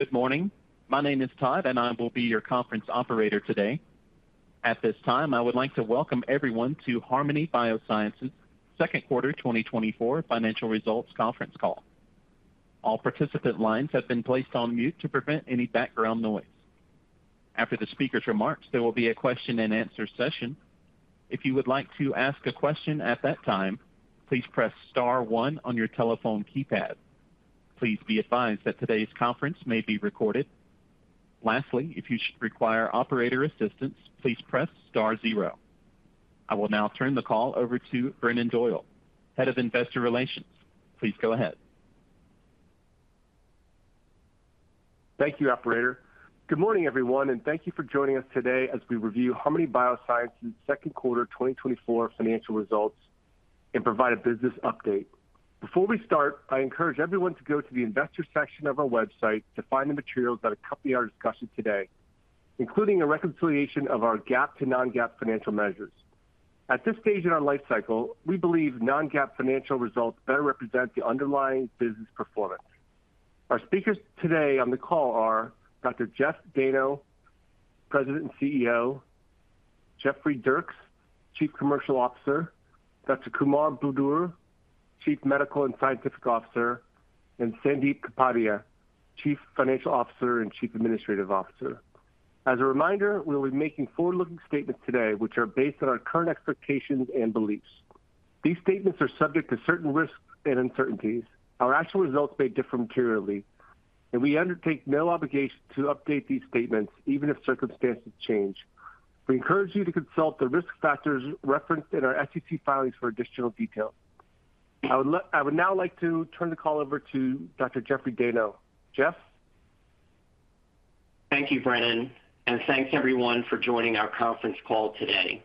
Good morning. My name is Todd, and I will be your conference operator today. At this time, I would like to welcome everyone to Harmony Biosciences' Second Quarter 2024 Financial Results Conference Call. All participant lines have been placed on mute to prevent any background noise. After the speaker's remarks, there will be a question-and-answer session. If you would like to ask a question at that time, please press star one on your telephone keypad. Please be advised that today's conference may be recorded. Lastly, if you should require operator assistance, please press star zero. I will now turn the call over to Brendan Doyle, Head of Investor Relations. Please go ahead. Thank you, operator. Good morning, everyone, and thank you for joining us today as we review Harmony Biosciences' second quarter 2024 financial results and provide a business update. Before we start, I encourage everyone to go to the investor section of our website to find the materials that accompany our discussion today, including a reconciliation of our GAAP to non-GAAP financial measures. At this stage in our life cycle, we believe non-GAAP financial results better represent the underlying business performance. Our speakers today on the call are Dr. Jeffrey Dayno, President and CEO; Jeffrey Dierks, Chief Commercial Officer; Dr. Kumar Budur, Chief Medical and Scientific Officer; and Sandip Kapadia, Chief Financial Officer and Chief Administrative Officer. As a reminder, we'll be making forward-looking statements today, which are based on our current expectations and beliefs. These statements are subject to certain risks and uncertainties. Our actual results may differ materially, and we undertake no obligation to update these statements, even if circumstances change. We encourage you to consult the risk factors referenced in our SEC filings for additional details. I would like—I would now like to turn the call over to Dr. Jeffrey Dayno. Jeff? Thank you, Brendan, and thanks, everyone, for joining our conference call today.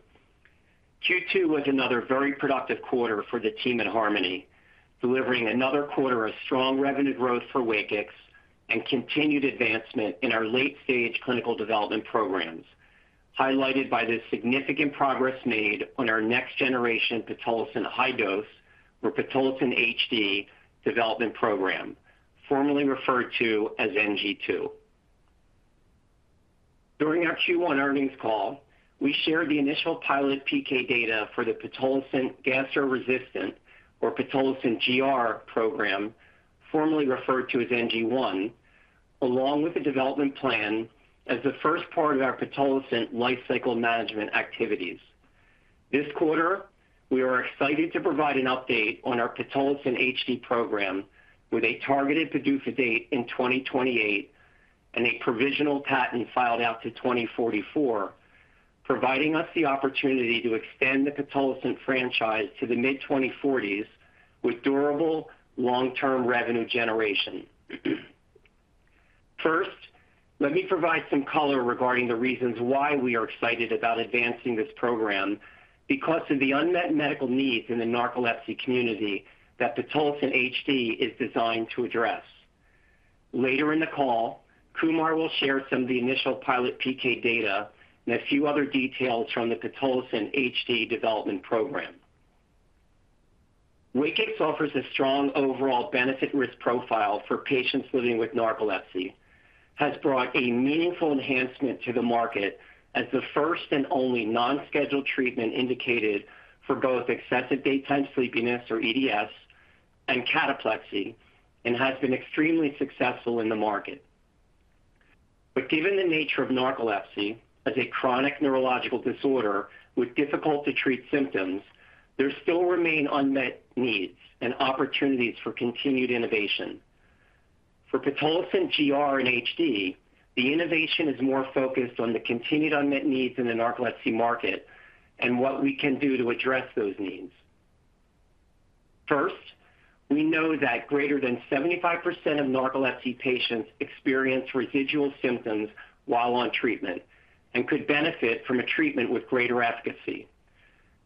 Q2 was another very productive quarter for the team at Harmony, delivering another quarter of strong revenue growth for WAKIX and continued advancement in our late-stage clinical development programs, highlighted by the significant progress made on our next-generation pitolisant high dose, or pitolisant HD, development program, formerly referred to as NG2. During our Q1 earnings call, we shared the initial pilot PK data for the pitolisant gastroresistant, or pitolisant GR, program, formerly referred to as NG1, along with the development plan as the first part of our pitolisant lifecycle management activities. This quarter, we are excited to provide an update on our Pitolisant HD program, with a targeted PDUFA date in 2028 and a provisional patent filed out to 2044, providing us the opportunity to extend the pitolisant franchise to the mid-2040s with durable, long-term revenue generation. First, let me provide some color regarding the reasons why we are excited about advancing this program, because of the unmet medical needs in the narcolepsy community that Pitolisant HD is designed to address. Later in the call, Kumar will share some of the initial pilot PK data and a few other details from the Pitolisant HD development program. WAKIX offers a strong overall benefit risk profile for patients living with narcolepsy, has brought a meaningful enhancement to the market as the first and only non-scheduled treatment indicated for both excessive daytime sleepiness, or EDS, and cataplexy, and has been extremely successful in the market. But given the nature of narcolepsy as a chronic neurological disorder with difficult-to-treat symptoms, there still remain unmet needs and opportunities for continued innovation. For Pitolisant GR and HD, the innovation is more focused on the continued unmet needs in the narcolepsy market and what we can do to address those needs. First, we know that greater than 75% of narcolepsy patients experience residual symptoms while on treatment and could benefit from a treatment with greater efficacy.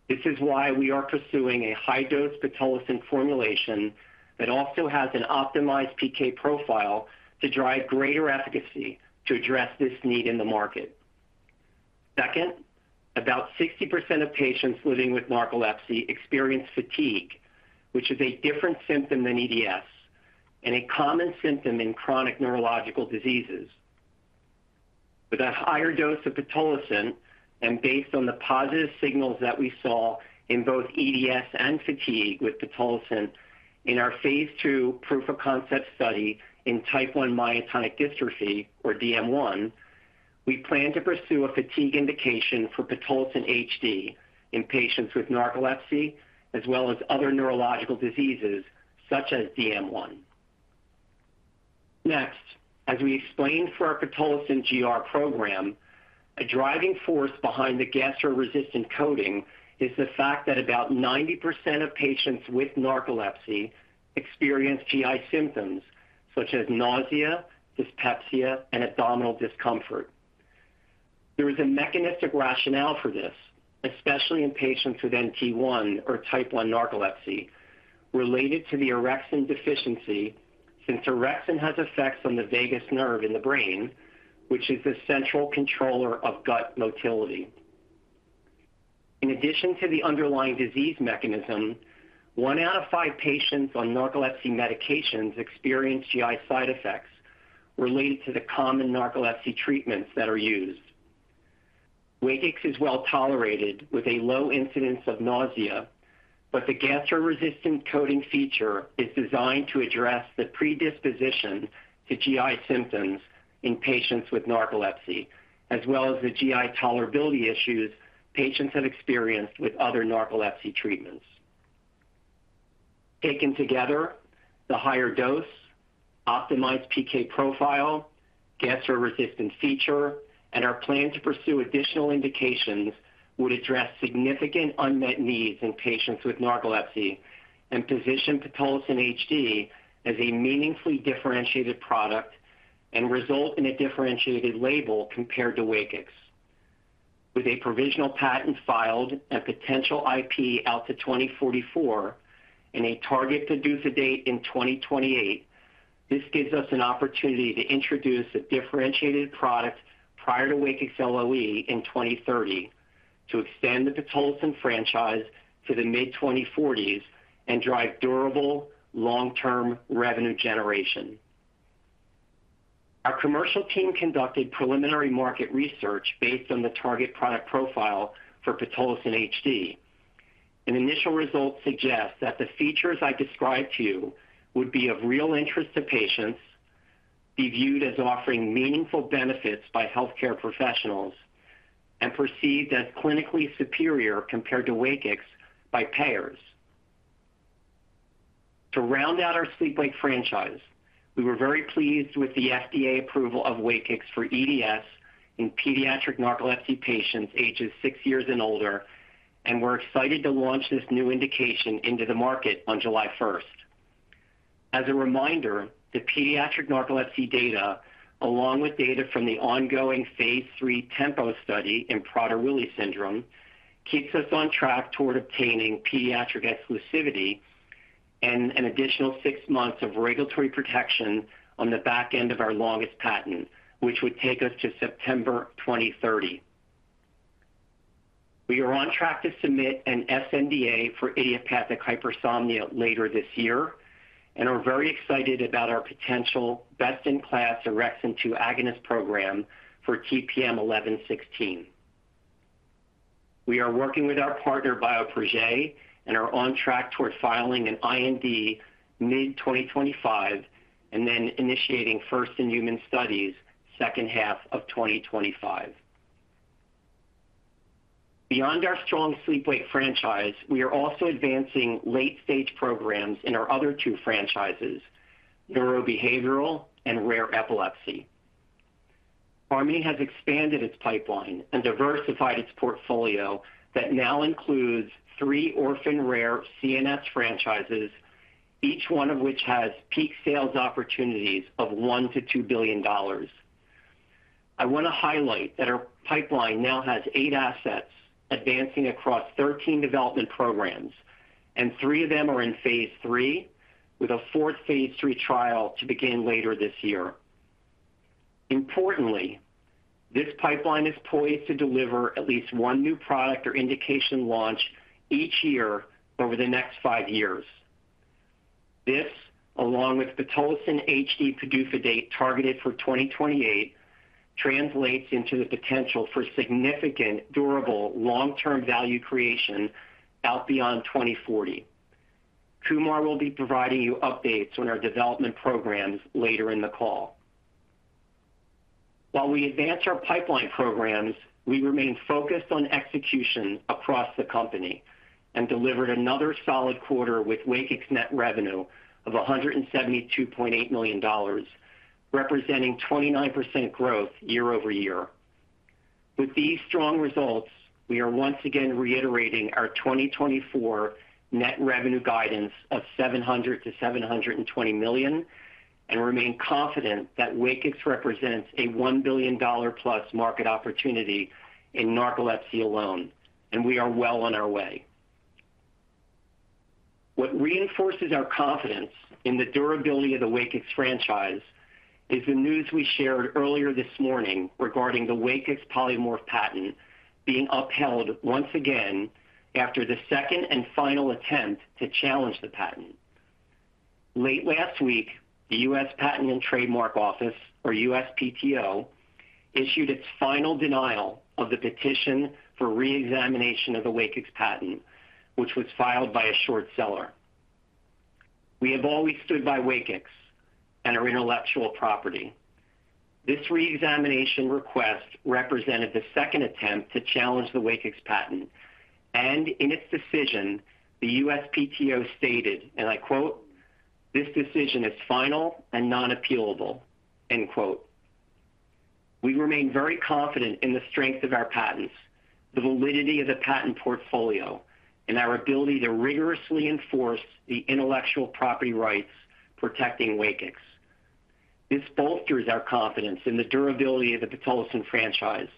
This is why we are pursuing a high-dose pitolisant formulation that also has an optimized PK profile to drive greater efficacy to address this need in the market. Second, about 60% of patients living with narcolepsy experience fatigue, which is a different symptom than EDS and a common symptom in chronic neurological diseases. With a higher dose of pitolisant, and based on the positive signals that we saw in both EDS and fatigue with pitolisant in our phase 2 proof of concept study in Type 1 myotonic dystrophy, or DM1, we plan to pursue a fatigue indication for pitolisant HD in patients with narcolepsy, as well as other neurological diseases such as DM1. Next, as we explained for our Pitolisant GR program, a driving force behind the gastro-resistant coating is the fact that about 90% of patients with narcolepsy experience GI symptoms such as nausea, dyspepsia, and abdominal discomfort. There is a mechanistic rationale for this, especially in patients with NT1 or type 1 narcolepsy, related to the orexin deficiency, since orexin has effects on the vagus nerve in the brain, which is the central controller of gut motility.... In addition to the underlying disease mechanism, one out of five patients on narcolepsy medications experience GI side effects related to the common narcolepsy treatments that are used. WAKIX is well-tolerated, with a low incidence of nausea, but the gastro-resistant coating feature is designed to address the predisposition to GI symptoms in patients with narcolepsy, as well as the GI tolerability issues patients have experienced with other narcolepsy treatments. Taken together, the higher dose, optimized PK profile, gastro-resistant feature, and our plan to pursue additional indications would address significant unmet needs in patients with narcolepsy and position pitolisant HD as a meaningfully differentiated product and result in a differentiated label compared to WAKIX. With a provisional patent filed, a potential IP out to 2044, and a target PDUFA date in 2028, this gives us an opportunity to introduce a differentiated product prior to WAKIX LOE in 2030 to extend the pitolisant franchise to the mid-2040s and drive durable, long-term revenue generation. Our commercial team conducted preliminary market research based on the target product profile for pitolisant HD. Initial results suggest that the features I described to you would be of real interest to patients, be viewed as offering meaningful benefits by healthcare professionals, and perceived as clinically superior compared to WAKIX by payers. To round out our sleep-wake franchise, we were very pleased with the FDA approval of WAKIX for EDS in pediatric narcolepsy patients ages 6 years and older, and we're excited to launch this new indication into the market on July 1. As a reminder, the pediatric narcolepsy data, along with data from the ongoing phase 3 TEMPO study in Prader-Willi syndrome, keeps us on track toward obtaining pediatric exclusivity and an additional 6 months of regulatory protection on the back end of our longest patent, which would take us to September 2030. We are on track to submit an sNDA for idiopathic hypersomnia later this year and are very excited about our potential best-in-class orexin-2 agonist program for TPM-1116. We are working with our partner, Bioprojet, and are on track toward filing an IND mid-2025 and then initiating first-in-human studies second half of 2025. Beyond our strong sleep-wake franchise, we are also advancing late-stage programs in our other two franchises, neurobehavioral and rare epilepsy. Harmony has expanded its pipeline and diversified its portfolio that now includes three orphan rare CNS franchises, each one of which has peak sales opportunities of $1-$2 billion. I want to highlight that our pipeline now has 8 assets advancing across 13 development programs, and 3 of them are in phase 3, with a fourth phase 3 trial to begin later this year. Importantly, this pipeline is poised to deliver at least one new product or indication launch each year over the next 5 years. This, along with pitolisant HD PDUFA date targeted for 2028, translates into the potential for significant, durable, long-term value creation out beyond 2040. Kumar will be providing you updates on our development programs later in the call. While we advance our pipeline programs, we remain focused on execution across the company and delivered another solid quarter with WAKIX net revenue of $172.8 million, representing 29% growth year-over-year. With these strong results, we are once again reiterating our 2024 net revenue guidance of $700 million-$720 million, and remain confident that WAKIX represents a $1 billion+ market opportunity in narcolepsy alone, and we are well on our way. What reinforces our confidence in the durability of the WAKIX franchise is the news we shared earlier this morning regarding the WAKIX polymorph patent being upheld once again after the second and final attempt to challenge the patent. Late last week, the U.S. Patent and Trademark Office, or USPTO, issued its final denial of the petition for reexamination of the WAKIX patent, which was filed by a short seller. We have always stood by WAKIX and our intellectual property. This reexamination request represented the second attempt to challenge the WAKIX patent, and in its decision, the USPTO stated, and I quote, "This decision is final and non-appealable." End quote. We remain very confident in the strength of our patents, the validity of the patent portfolio, and our ability to rigorously enforce the intellectual property rights protecting WAKIX. This bolsters our confidence in the durability of the Pitolisant franchise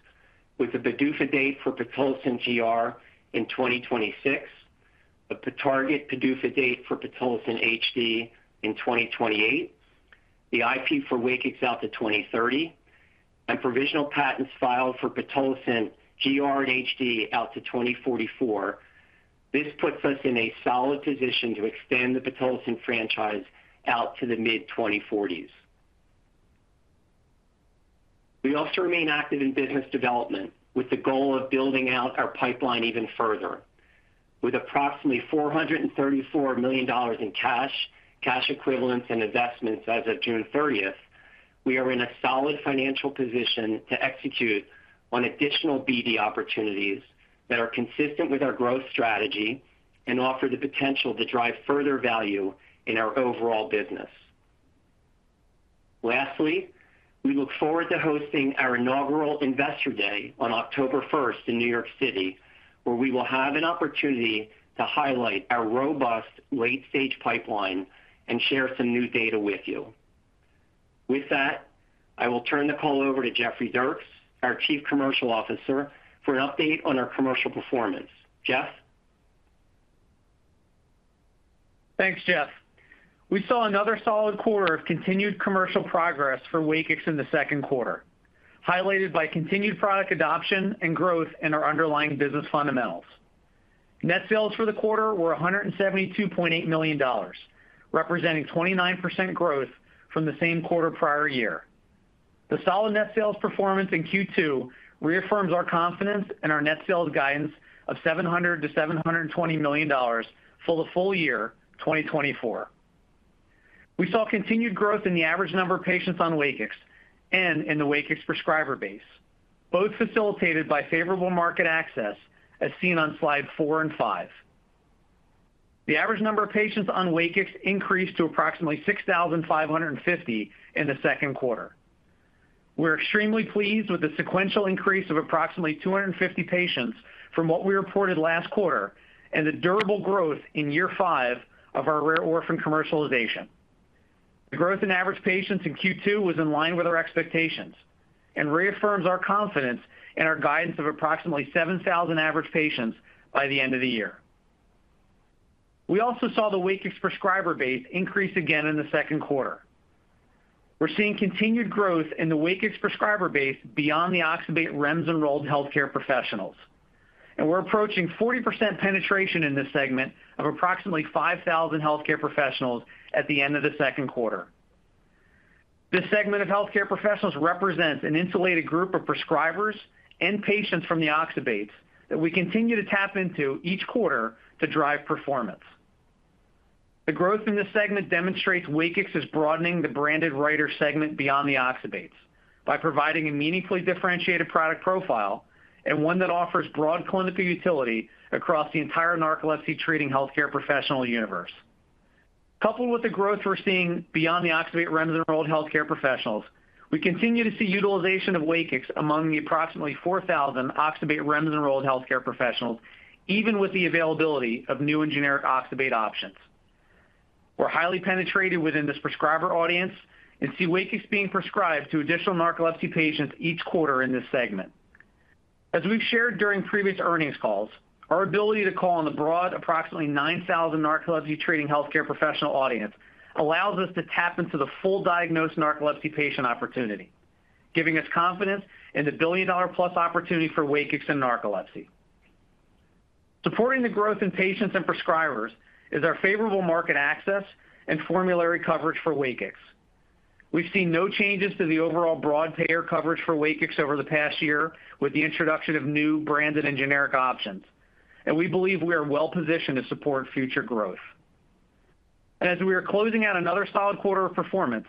with a PDUFA date for Pitolisant GR in 2026, a target PDUFA date for Pitolisant HD in 2028.... The IP for WAKIX out to 2030, and provisional patents filed for Pitolisant GR and HD out to 2044. This puts us in a solid position to extend the pitolisant franchise out to the mid-2040s. We also remain active in business development, with the goal of building out our pipeline even further. With approximately $434 million in cash, cash equivalents, and investments as of June 30th, we are in a solid financial position to execute on additional BD opportunities that are consistent with our growth strategy and offer the potential to drive further value in our overall business. Lastly, we look forward to hosting our inaugural Investor Day on October 1st in New York City, where we will have an opportunity to highlight our robust late-stage pipeline and share some new data with you. With that, I will turn the call over to Jeffrey Dierks, our Chief Commercial Officer, for an update on our commercial performance. Jeff? Thanks, Jeff. We saw another solid quarter of continued commercial progress for WAKIX in the second quarter, highlighted by continued product adoption and growth in our underlying business fundamentals. Net sales for the quarter were $172.8 million, representing 29% growth from the same quarter prior year. The solid net sales performance in Q2 reaffirms our confidence in our net sales guidance of $700 million-$720 million for the full year 2024. We saw continued growth in the average number of patients on WAKIX and in the WAKIX prescriber base, both facilitated by favorable market access, as seen on slide 4 and 5. The average number of patients on WAKIX increased to approximately 6,550 in the second quarter. We're extremely pleased with the sequential increase of approximately 250 patients from what we reported last quarter and the durable growth in year five of our rare orphan commercialization. The growth in average patients in Q2 was in line with our expectations and reaffirms our confidence in our guidance of approximately 7,000 average patients by the end of the year. We also saw the WAKIX prescriber base increase again in the second quarter. We're seeing continued growth in the WAKIX prescriber base beyond the oxybate REMS-enrolled healthcare professionals, and we're approaching 40% penetration in this segment of approximately 5,000 healthcare professionals at the end of the second quarter. This segment of healthcare professionals represents an insulated group of prescribers and patients from the oxybates that we continue to tap into each quarter to drive performance. The growth in this segment demonstrates WAKIX is broadening the branded wake-promoting segment beyond the oxybates by providing a meaningfully differentiated product profile and one that offers broad clinical utility across the entire narcolepsy-treating healthcare professional universe. Coupled with the growth we're seeing beyond the oxybate REMS-enrolled healthcare professionals, we continue to see utilization of WAKIX among the approximately 4,000 oxybate REMS-enrolled healthcare professionals, even with the availability of new and generic oxybate options. We're highly penetrated within this prescriber audience and see WAKIX being prescribed to additional narcolepsy patients each quarter in this segment. As we've shared during previous earnings calls, our ability to call on the broad, approximately 9,000 narcolepsy-treating healthcare professional audience allows us to tap into the full diagnosed narcolepsy patient opportunity, giving us confidence in the billion-dollar-plus opportunity for WAKIX and narcolepsy. Supporting the growth in patients and prescribers is our favorable market access and formulary coverage for WAKIX. We've seen no changes to the overall broad payer coverage for WAKIX over the past year with the introduction of new branded and generic options, and we believe we are well positioned to support future growth. And as we are closing out another solid quarter of performance,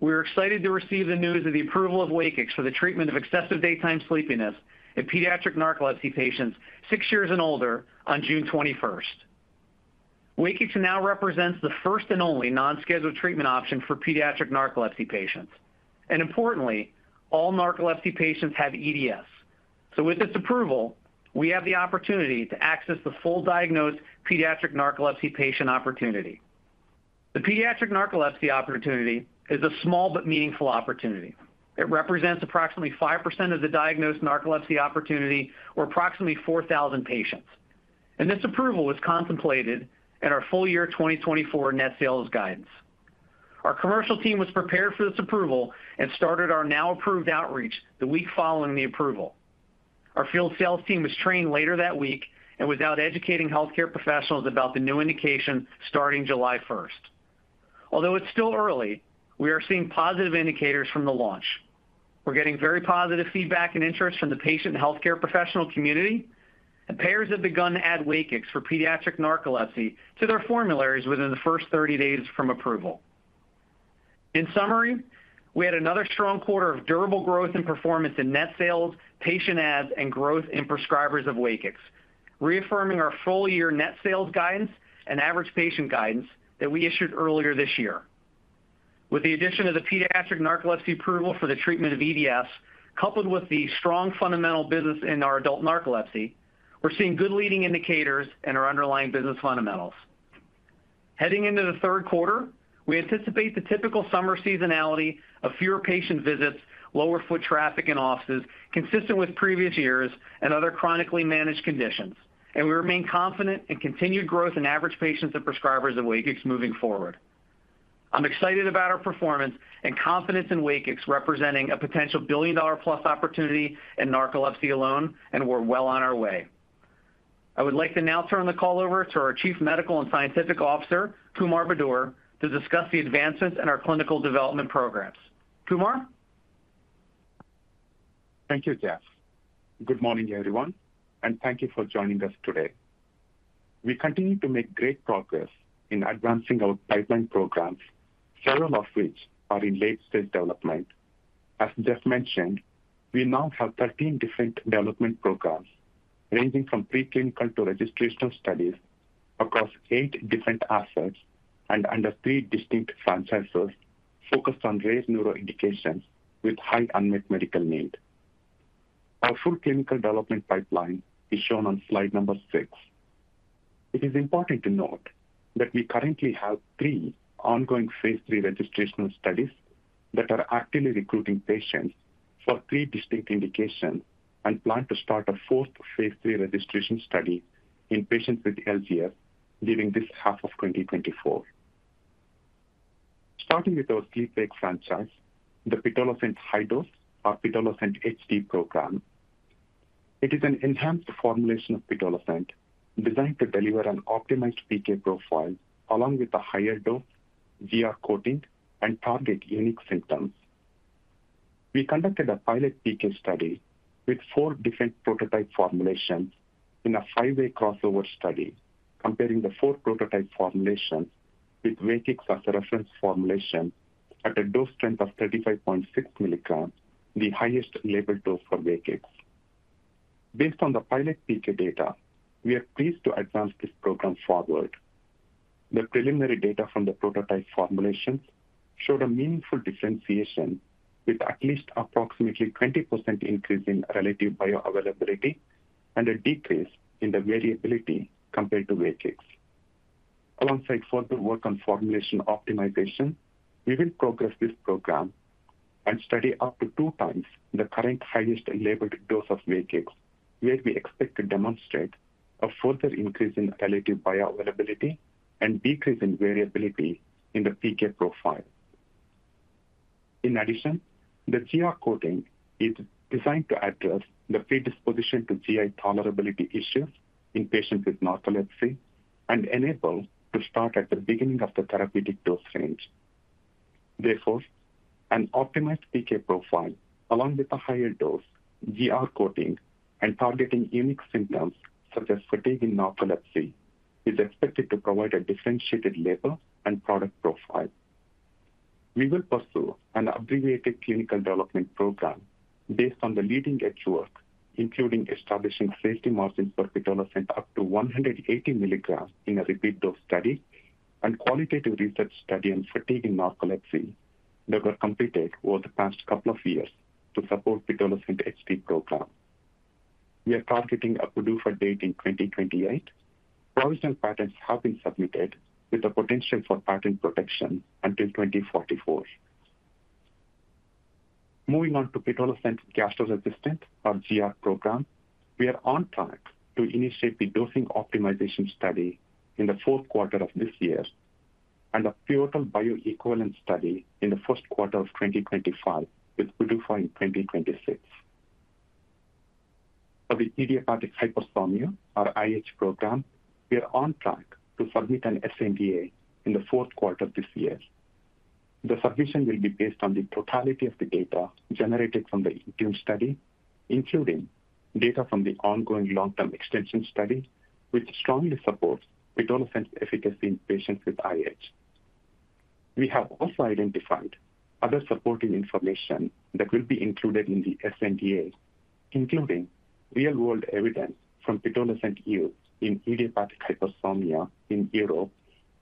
we are excited to receive the news of the approval of WAKIX for the treatment of excessive daytime sleepiness in pediatric narcolepsy patients six years and older on June twenty-first. WAKIX now represents the first and only non-scheduled treatment option for pediatric narcolepsy patients, and importantly, all narcolepsy patients have EDS. So with this approval, we have the opportunity to access the full diagnosed pediatric narcolepsy patient opportunity. The pediatric narcolepsy opportunity is a small but meaningful opportunity. It represents approximately 5% of the diagnosed narcolepsy opportunity or approximately 4,000 patients, and this approval was contemplated in our full year 2024 net sales guidance. Our commercial team was prepared for this approval and started our now approved outreach the week following the approval. Our field sales team was trained later that week and was out educating healthcare professionals about the new indication starting July first. Although it's still early, we are seeing positive indicators from the launch. We're getting very positive feedback and interest from the patient and healthcare professional community, and payers have begun to add WAKIX for pediatric narcolepsy to their formularies within the first 30 days from approval. In summary, we had another strong quarter of durable growth and performance in net sales, patient adds, and growth in prescribers of WAKIX, reaffirming our full-year net sales guidance and average patient guidance that we issued earlier this year. With the addition of the pediatric narcolepsy approval for the treatment of EDS, coupled with the strong fundamental business in our adult narcolepsy, we're seeing good leading indicators in our underlying business fundamentals. Heading into the third quarter, we anticipate the typical summer seasonality of fewer patient visits, lower foot traffic in offices, consistent with previous years and other chronically managed conditions. We remain confident in continued growth in average patients and prescribers of WAKIX moving forward.... I'm excited about our performance and confidence in WAKIX, representing a potential billion-dollar-plus opportunity in narcolepsy alone, and we're well on our way. I would like to now turn the call over to our Chief Medical and Scientific Officer, Kumar Budur, to discuss the advancements in our clinical development programs. Kumar? Thank you, Jeff. Good morning, everyone, and thank you for joining us today. We continue to make great progress in advancing our pipeline programs, several of which are in late-stage development. As Jeff mentioned, we now have 13 different development programs, ranging from preclinical to registrational studies across 8 different assets and under three distinct franchises focused on rare neurological indications with high unmet medical need. Our full clinical development pipeline is shown on slide number 6. It is important to note that we currently have three ongoing phase III registrational studies that are actively recruiting patients for three distinct indications and plan to start a fourth phase III registration study in patients with LGS during this half of 2024. Starting with our sleep-wake franchise, the pitolisant high dose, our pitolisant HD program. It is an enhanced formulation of pitolisant, designed to deliver an optimized PK profile along with a higher dose GR coating and target unique symptoms. We conducted a pilot PK study with four different prototype formulations in a five-way crossover study, comparing the four prototype formulations with WAKIX as a reference formulation at a dose strength of 35.6 milligrams, the highest labeled dose for WAKIX. Based on the pilot PK data, we are pleased to advance this program forward. The preliminary data from the prototype formulations showed a meaningful differentiation with at least approximately 20% increase in relative bioavailability and a decrease in the variability compared to WAKIX. Alongside further work on formulation optimization, we will progress this program and study up to 2 times the current highest labeled dose of WAKIX, where we expect to demonstrate a further increase in relative bioavailability and decrease in variability in the PK profile. In addition, the GR coating is designed to address the predisposition to GI tolerability issues in patients with narcolepsy and enable to start at the beginning of the therapeutic dose range. Therefore, an optimized PK profile, along with a higher dose, GR coating, and targeting unique symptoms such as fatigue in narcolepsy, is expected to provide a differentiated label and product profile. We will pursue an abbreviated clinical development program based on the leading-edge work, including establishing safety margin for pitolisant up to 180 milligrams in a repeat dose study and qualitative research study on fatigue in narcolepsy that were completed over the past couple of years to support pitolisant HD program. We are targeting a PDUFA date in 2028. Provisional patents have been submitted, with the potential for patent protection until 2044. Moving on to pitolisant gastro-resistant, or GR program, we are on track to initiate the dosing optimization study in the fourth quarter of this year and a pivotal bioequivalent study in the first quarter of 2025, with PDUFA in 2026. For the idiopathic hypersomnia, or IH program, we are on track to submit an sNDA in the fourth quarter of this year. The submission will be based on the totality of the data generated from the INTUNE study, including data from the ongoing long-term extension study, which strongly supports pitolisant efficacy in patients with IH. We have also identified other supporting information that will be included in the sNDA, including real-world evidence from pitolisant use in idiopathic hypersomnia in Europe,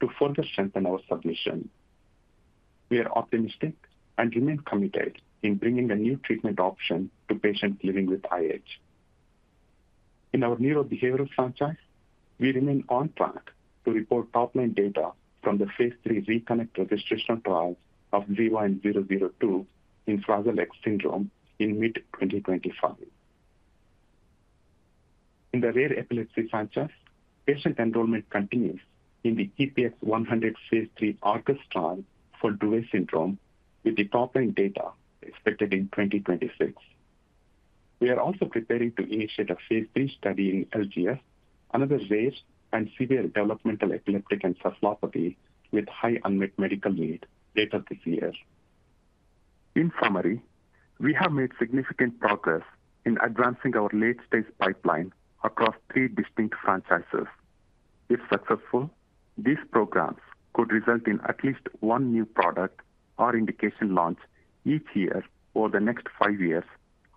to further strengthen our submission. We are optimistic and remain committed in bringing a new treatment option to patients living with IH. In our neurobehavioral franchise, we remain on track to report top-line data from the phase III RECONNECT registrational trial of ZYN002 in Fragile X syndrome in mid-2025. In the rare epilepsy franchise, patient enrollment continues in the EPX-100 phase III ARCADES trial for Dravet syndrome, with the top-line data expected in 2026. We are also preparing to initiate a phase III study in LGS, another rare and severe developmental epileptic encephalopathy, with high unmet medical need later this year. In summary, we have made significant progress in advancing our late-stage pipeline across three distinct franchises. If successful, these programs could result in at least one new product or indication launch each year over the next five years,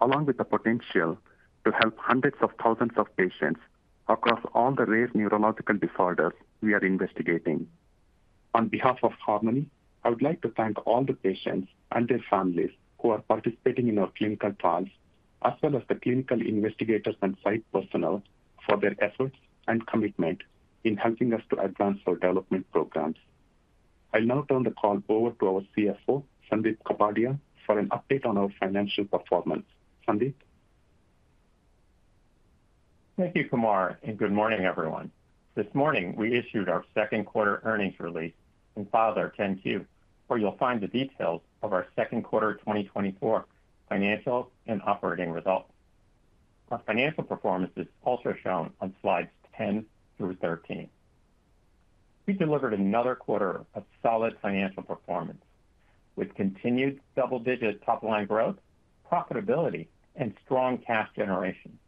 along with the potential to help hundreds of thousands of patients across all the rare neurological disorders we are investigating. On behalf of Harmony, I would like to thank all the patients and their families who are participating in our clinical trials, as well as the clinical investigators and site personnel for their efforts and commitment in helping us to advance our development programs. I'll now turn the call over to our CFO, Sandip Kapadia, for an update on our financial performance. Sandip? Thank you, Kumar, and good morning, everyone. This morning, we issued our second quarter earnings release and filed our 10-Q, where you'll find the details of our second quarter 2024 financials and operating results. Our financial performance is also shown on slides 10 through 13. We delivered another quarter of solid financial performance with continued double-digit top-line growth, profitability, and strong cash generation.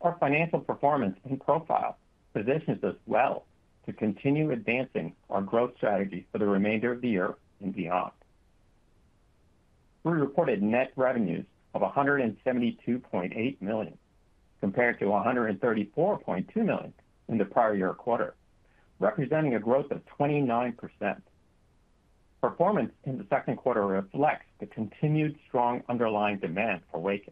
Our financial performance and profile positions us well to continue advancing our growth strategy for the remainder of the year and beyond. We reported net revenues of $172.8 million, compared to $134.2 million in the prior year quarter, representing a growth of 29%. Performance in the second quarter reflects the continued strong underlying demand for WAKIX.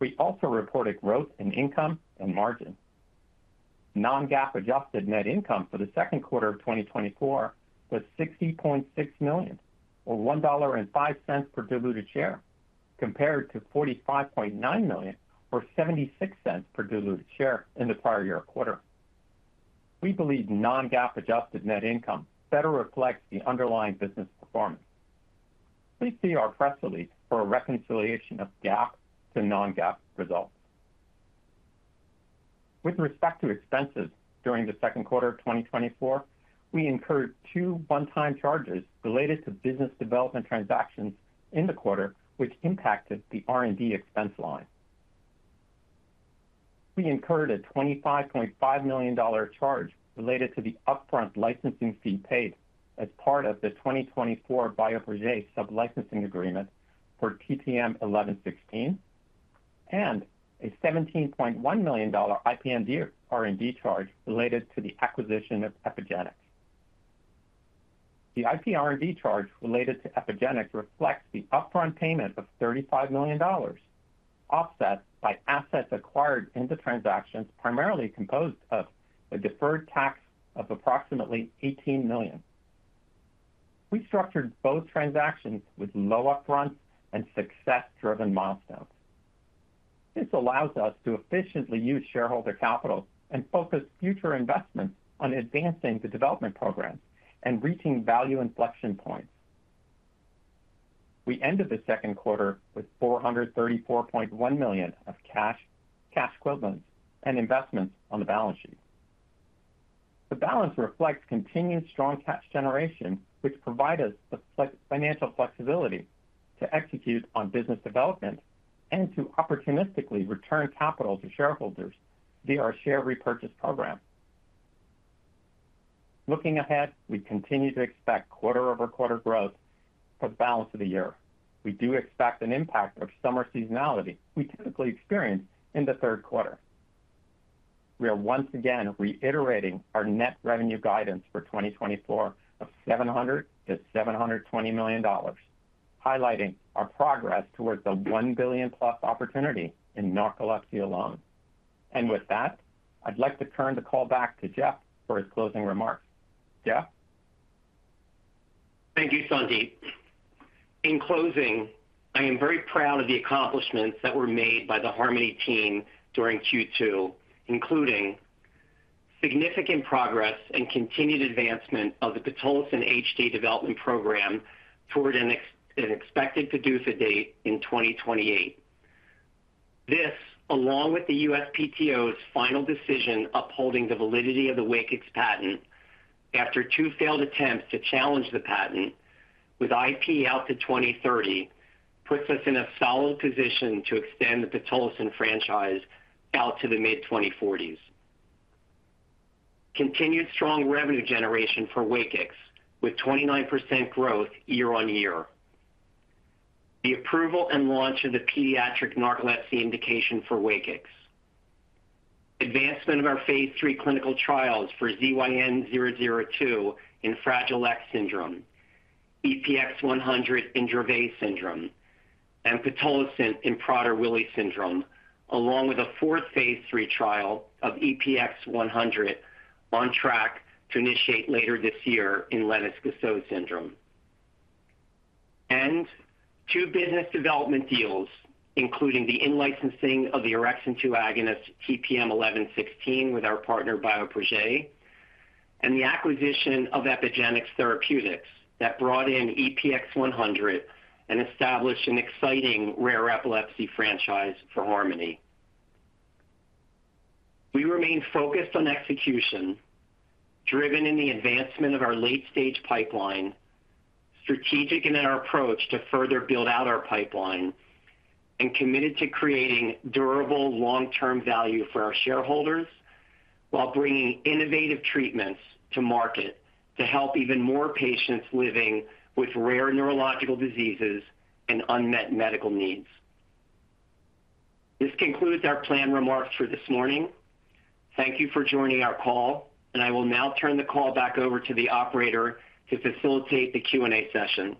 We also reported growth in income and margin. Non-GAAP adjusted net income for the second quarter of 2024 was $60.6 million, or $1.05 per diluted share, compared to $45.9 million or $0.76 per diluted share in the prior year quarter. We believe non-GAAP adjusted net income better reflects the underlying business performance. Please see our press release for a reconciliation of GAAP to non-GAAP results. With respect to expenses during the second quarter of 2024, we incurred two one-time charges related to business development transactions in the quarter, which impacted the R&D expense line. We incurred a $25.5 million charge related to the upfront licensing fee paid as part of the 2024 Bioprojet sub-licensing agreement for TPM-1116, and a $17.1 million IPR&D charge related to the acquisition of Epygenix. The IP R&D charge related to Epygenix reflects the upfront payment of $35 million, offset by assets acquired in the transactions, primarily composed of a deferred tax of approximately $18 million. We structured both transactions with low upfront and success-driven milestones. This allows us to efficiently use shareholder capital and focus future investments on advancing the development program and reaching value inflection points. We ended the second quarter with $434.1 million of cash, cash equivalents, and investments on the balance sheet. The balance reflects continued strong cash generation, which provide us the financial flexibility to execute on business development and to opportunistically return capital to shareholders via our share repurchase program. Looking ahead, we continue to expect quarter-over-quarter growth for the balance of the year. We do expect an impact of summer seasonality we typically experience in the third quarter. We are once again reiterating our net revenue guidance for 2024 of $700 million-$720 million, highlighting our progress towards the $1 billion+ opportunity in narcolepsy alone. And with that, I'd like to turn the call back to Jeff for his closing remarks. Jeff? Thank you, Sandip. In closing, I am very proud of the accomplishments that were made by the Harmony team during Q2, including significant progress and continued advancement of the Pitolisant HD development program toward an expected PDUFA date in 2028. This, along with the USPTO's final decision upholding the validity of the WAKIX patent after two failed attempts to challenge the patent with IP out to 2030, puts us in a solid position to extend the Pitolisant franchise out to the mid-2040s. Continued strong revenue generation for WAKIX, with 29% growth year-over-year. The approval and launch of the pediatric narcolepsy indication for WAKIX. Advancement of our phase 3 clinical trials for ZYN002 in Fragile X syndrome, EPX-100 in Dravet syndrome, and pitolisant in Prader-Willi syndrome, along with a fourth phase 3 trial of EPX-100 on track to initiate later this year in Lennox-Gastaut syndrome. Two business development deals, including the in-licensing of the orexin-2 agonist, TPM-1116, with our partner, Bioprojet, and the acquisition of Epygenix Therapeutics that brought in EPX-100 and established an exciting rare epilepsy franchise for Harmony. We remain focused on execution, driven in the advancement of our late-stage pipeline, strategic in our approach to further build out our pipeline, and committed to creating durable, long-term value for our shareholders while bringing innovative treatments to market to help even more patients living with rare neurological diseases and unmet medical needs. This concludes our planned remarks for this morning. Thank you for joining our call, and I will now turn the call back over to the operator to facilitate the Q&A session.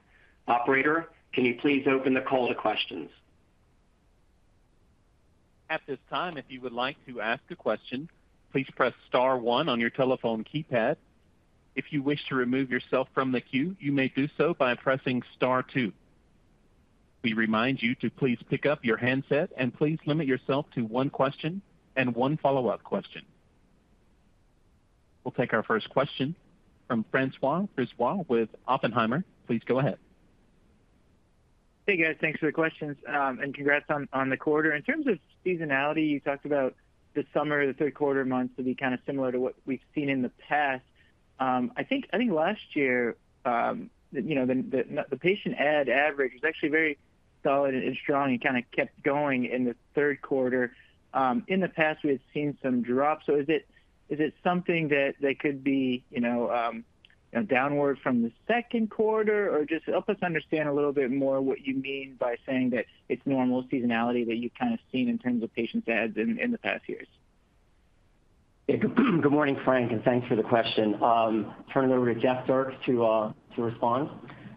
Operator, can you please open the call to questions? At this time, if you would like to ask a question, please press star one on your telephone keypad... If you wish to remove yourself from the queue, you may do so by pressing star two. We remind you to please pick up your handset and please limit yourself to one question and one follow-up question. We'll take our first question from François Brisebois with Oppenheimer. Please go ahead. Hey, guys. Thanks for the questions, and congrats on, on the quarter. In terms of seasonality, you talked about the summer, the third quarter months, to be kind of similar to what we've seen in the past. I think, I think last year, you know, the patient add average was actually very solid and strong and kind of kept going in the third quarter. In the past, we had seen some drops. So is it, is it something that, that could be, you know, downward from the second quarter? Or just help us understand a little bit more what you mean by saying that it's normal seasonality that you've kind of seen in terms of patient adds in the past years. Yeah. Good morning, Frank, and thanks for the question. Turning it over to Jeff Dierks to respond.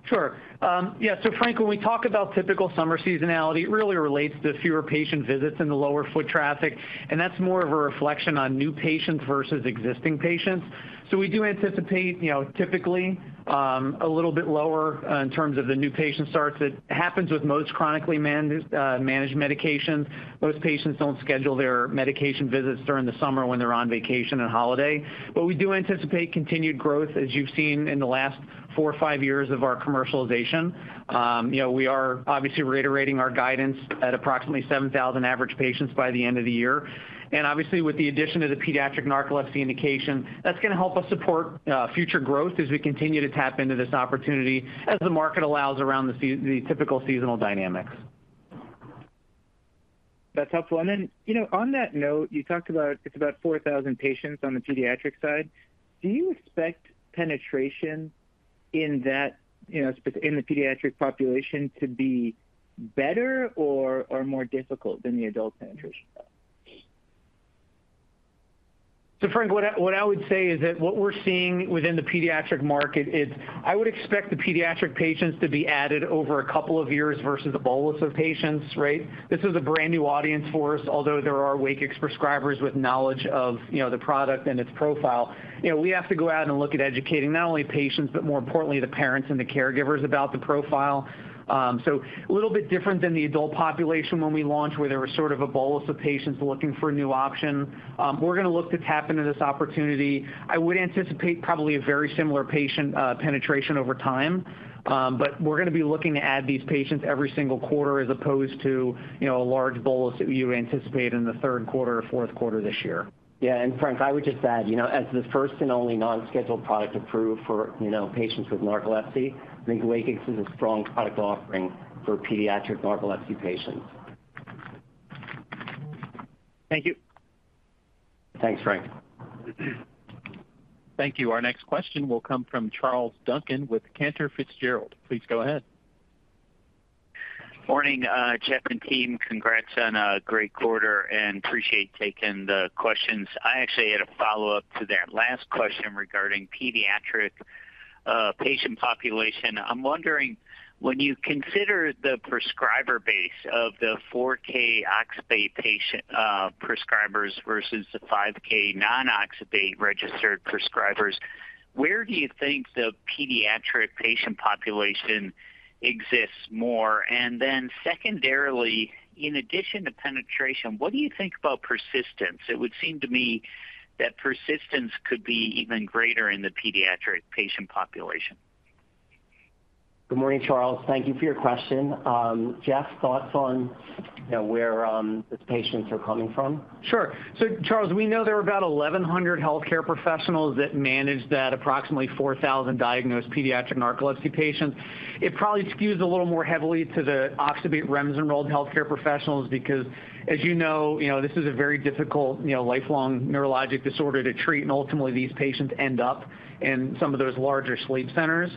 Sure. Yeah, so Frank, when we talk about typical summer seasonality, it really relates to fewer patient visits and the lower foot traffic, and that's more of a reflection on new patients versus existing patients. So we do anticipate, you know, typically, a little bit lower, in terms of the new patient starts. It happens with most chronically managed, managed medications. Most patients don't schedule their medication visits during the summer when they're on vacation and holiday. But we do anticipate continued growth, as you've seen in the last 4 or 5 years of our commercialization. You know, we are obviously reiterating our guidance at approximately 7,000 average patients by the end of the year. Obviously, with the addition of the pediatric narcolepsy indication, that's going to help us support future growth as we continue to tap into this opportunity, as the market allows around the typical seasonal dynamics. That's helpful. And then, you know, on that note, you talked about it's about 4,000 patients on the pediatric side. Do you expect penetration in that, you know, specifically in the pediatric population to be better or, or more difficult than the adult penetration? So Frank, what I, what I would say is that what we're seeing within the pediatric market is I would expect the pediatric patients to be added over a couple of years versus a bolus of patients, right? This is a brand-new audience for us, although there are WAKIX prescribers with knowledge of, you know, the product and its profile. You know, we have to go out and look at educating not only patients, but more importantly, the parents and the caregivers about the profile. So a little bit different than the adult population when we launched, where there was sort of a bolus of patients looking for a new option. We're going to look to tap into this opportunity. I would anticipate probably a very similar patient penetration over time. But we're going to be looking to add these patients every single quarter as opposed to, you know, a large bolus that you anticipate in the third quarter or fourth quarter this year. Yeah, and Frank, I would just add, you know, as the first and only nonscheduled product approved for, you know, patients with narcolepsy, I think WAKIX is a strong product offering for pediatric narcolepsy patients. Thank you. Thanks, Frank. Thank you. Our next question will come from Charles Duncan with Cantor Fitzgerald. Please go ahead. Morning, Jeff and team. Congrats on a great quarter and appreciate taking the questions. I actually had a follow-up to that last question regarding pediatric patient population. I'm wondering, when you consider the prescriber base of the 4,000 oxybate patient prescribers versus the 5,000 non-oxybate registered prescribers, where do you think the pediatric patient population exists more? And then secondarily, in addition to penetration, what do you think about persistence? It would seem to me that persistence could be even greater in the pediatric patient population. Good morning, Charles. Thank you for your question. Jeff, thoughts on, you know, where these patients are coming from? Sure. So Charles, we know there are about 1,100 healthcare professionals that manage that approximately 4,000 diagnosed pediatric narcolepsy patients. It probably skews a little more heavily to the oxybate REMS-enrolled healthcare professionals because, as you know, you know, this is a very difficult, you know, lifelong neurologic disorder to treat, and ultimately, these patients end up in some of those larger sleep centers.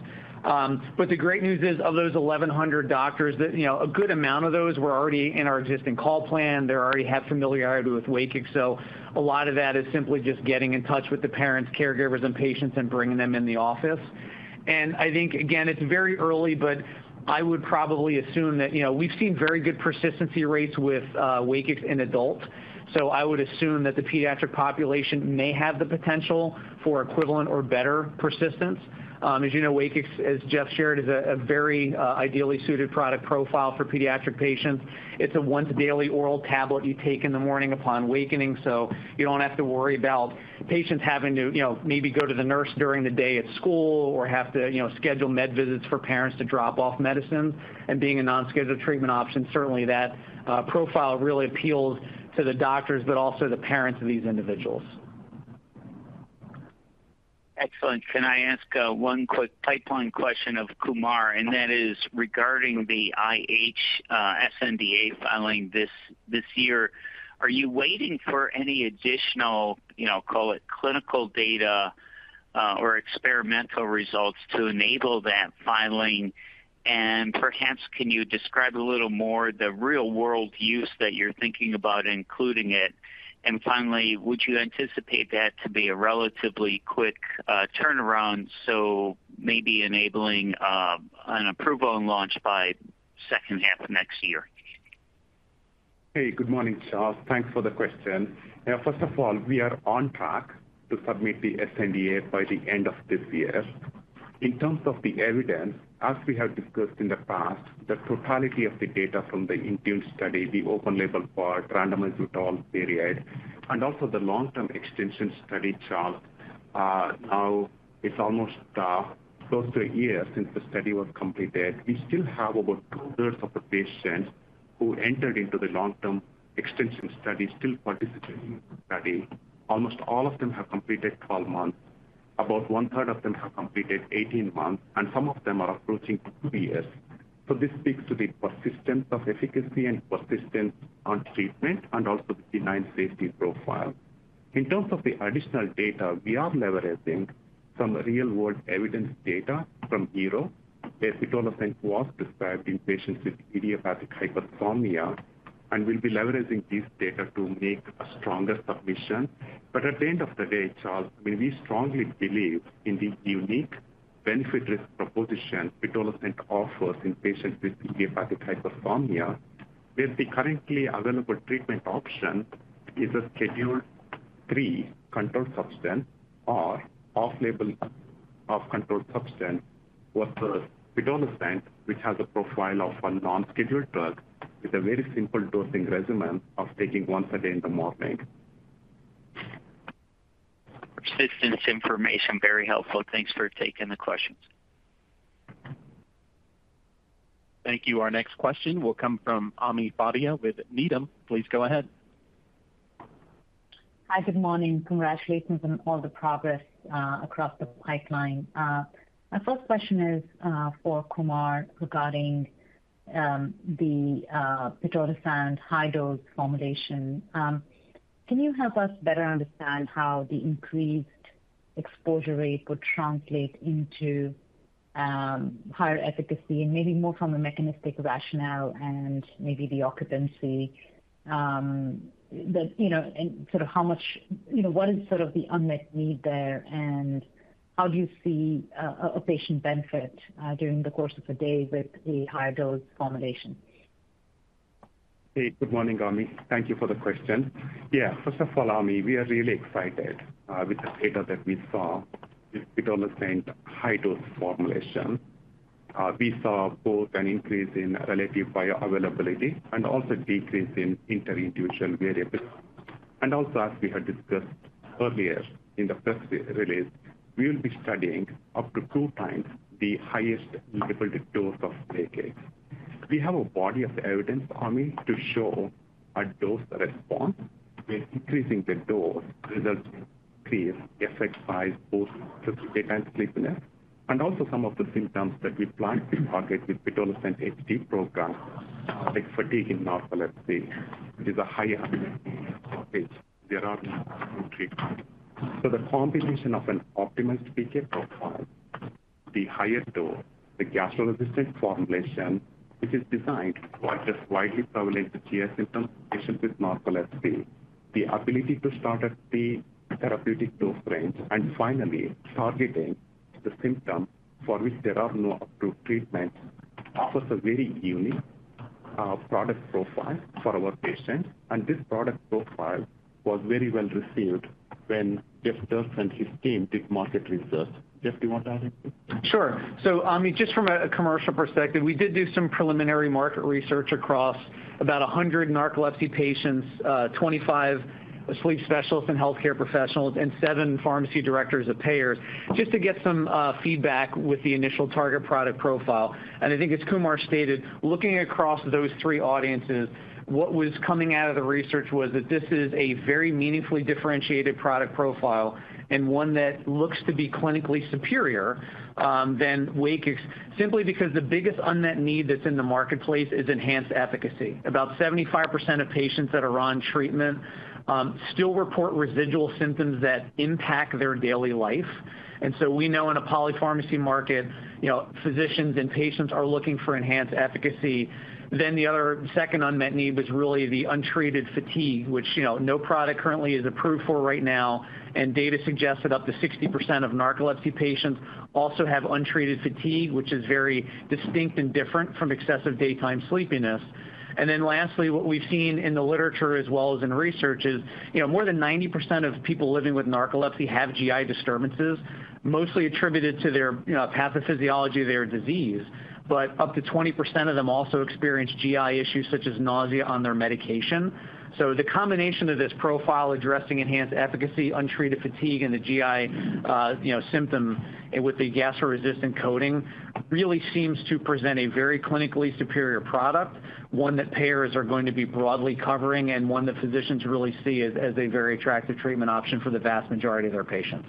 But the great news is, of those 1,100 doctors that... you know, a good amount of those were already in our existing call plan. They already have familiarity with WAKIX, so a lot of that is simply just getting in touch with the parents, caregivers, and patients and bringing them in the office. I think, again, it's very early, but I would probably assume that, you know, we've seen very good persistency rates with WAKIX in adults, so I would assume that the pediatric population may have the potential for equivalent or better persistence. As you know, WAKIX, as Jeff shared, is a very ideally suited product profile for pediatric patients. It's a once-daily oral tablet you take in the morning upon wakening, so you don't have to worry about patients having to, you know, maybe go to the nurse during the day at school or have to, you know, schedule med visits for parents to drop off medicine. And being a nonscheduled treatment option, certainly that profile really appeals to the doctors, but also the parents of these individuals. Excellent. Can I ask one quick pipeline question of Kumar? And that is regarding the IH SNDA filing this year. Are you waiting for any additional, you know, call it, clinical data or experimental results to enable that filing? And perhaps, can you describe a little more the real-world use that you're thinking about including it? And finally, would you anticipate that to be a relatively quick turnaround, so maybe enabling an approval and launch by second half of next year? Hey, good morning, Charles. Thanks for the question. First of all, we are on track to submit the sNDA by the end of this year. In terms of the evidence, as we have discussed in the past, the totality of the data from the INTUNE study, the open label part, randomized withdrawal period, and also the long-term extension study, Charles, now it's almost close to a year since the study was completed. We still have over two-thirds of the patients who entered into the long-term extension study still participating in the study. Almost all of them have completed 12 months. About one-third of them have completed 18 months, and some of them are approaching 2 years. So this speaks to the persistence of efficacy and persistence on treatment and also the benign safety profile. In terms of the additional data, we are leveraging some real-world evidence data from HERO. Pitolisant was prescribed in patients with idiopathic hypersomnia, and we'll be leveraging this data to make a stronger submission. But at the end of the day, Charles, we strongly believe in the unique benefit-risk proposition pitolisant offers in patients with idiopathic hypersomnia, where the currently available treatment option is a Schedule III controlled substance or off-label, off-controlled substance. Whereas pitolisant, which has a profile of a non-scheduled drug, with a very simple dosing regimen of taking once a day in the morning. Persistence information, very helpful. Thanks for taking the questions. Thank you. Our next question will come from Ami Fadia with Needham. Please go ahead. Hi, good morning. Congratulations on all the progress across the pipeline. My first question is for Kumar, regarding the pitolisant high-dose formulation. Can you help us better understand how the increased exposure rate could translate into higher efficacy and maybe more from a mechanistic rationale and maybe the occupancy that you know, and sort of how much— You know, what is sort of the unmet need there, and how do you see a patient benefit during the course of a day with the higher dose formulation? Hey, good morning, Ami. Thank you for the question. Yeah, first of all, Ami, we are really excited with the data that we saw with pitolisant high-dose formulation. We saw both an increase in relative bioavailability and also decrease in interindividual variability. Also, as we had discussed earlier in the press release, we will be studying up to two times the highest labeled dose of WAKIX. We have a body of evidence, Ami, to show a dose response, where increasing the dose results in increased effect size, both daytime sleepiness, and also some of the symptoms that we plan to target with pitolisant HD program, like fatigue in narcolepsy, which is a higher unmet need, there are no treatments. So the combination of an optimized PK profile, the higher dose, the gastro-resistant formulation, which is designed for the widely prevalent GI symptoms in patients with narcolepsy, the ability to start at the therapeutic dose range, and finally, targeting the symptom for which there are no approved treatments, offers a very unique product profile for our patients. And this product profile was very well received when Jeff Dierks and his team did market research. Jeff, do you want to add anything? Sure. So, Ami, just from a commercial perspective, we did do some preliminary market research across about 100 narcolepsy patients, twenty-five sleep specialists and healthcare professionals, and 7 pharmacy directors of payers, just to get some feedback with the initial target product profile. And I think as Kumar stated, looking across those three audiences, what was coming out of the research was that this is a very meaningfully differentiated product profile and one that looks to be clinically superior than WAKIX, simply because the biggest unmet need that's in the marketplace is enhanced efficacy. About 75% of patients that are on treatment still report residual symptoms that impact their daily life. And so we know in a polypharmacy market, you know, physicians and patients are looking for enhanced efficacy. Then the other second unmet need was really the untreated fatigue, which, you know, no product currently is approved for right now, and data suggests that up to 60% of narcolepsy patients also have untreated fatigue, which is very distinct and different from excessive daytime sleepiness. And then lastly, what we've seen in the literature as well as in research is, you know, more than 90% of people living with narcolepsy have GI disturbances, mostly attributed to their, you know, pathophysiology of their disease. But up to 20% of them also experience GI issues, such as nausea on their medication. So the combination of this profile, addressing enhanced efficacy, untreated fatigue, and the GI, you know, symptom with the gastro-resistant coating, really seems to present a very clinically superior product, one that payers are going to be broadly covering and one that physicians really see as a very attractive treatment option for the vast majority of their patients.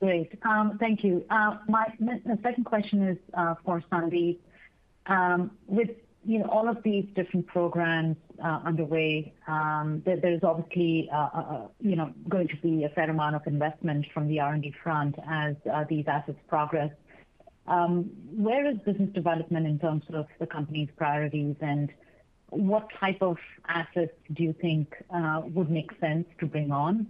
Great. Thank you. The second question is for Sandip. With, you know, all of these different programs underway, there is obviously, you know, going to be a fair amount of investment from the R&D front as these assets progress. Where is business development in terms of the company's priorities and... What type of assets do you think would make sense to bring on?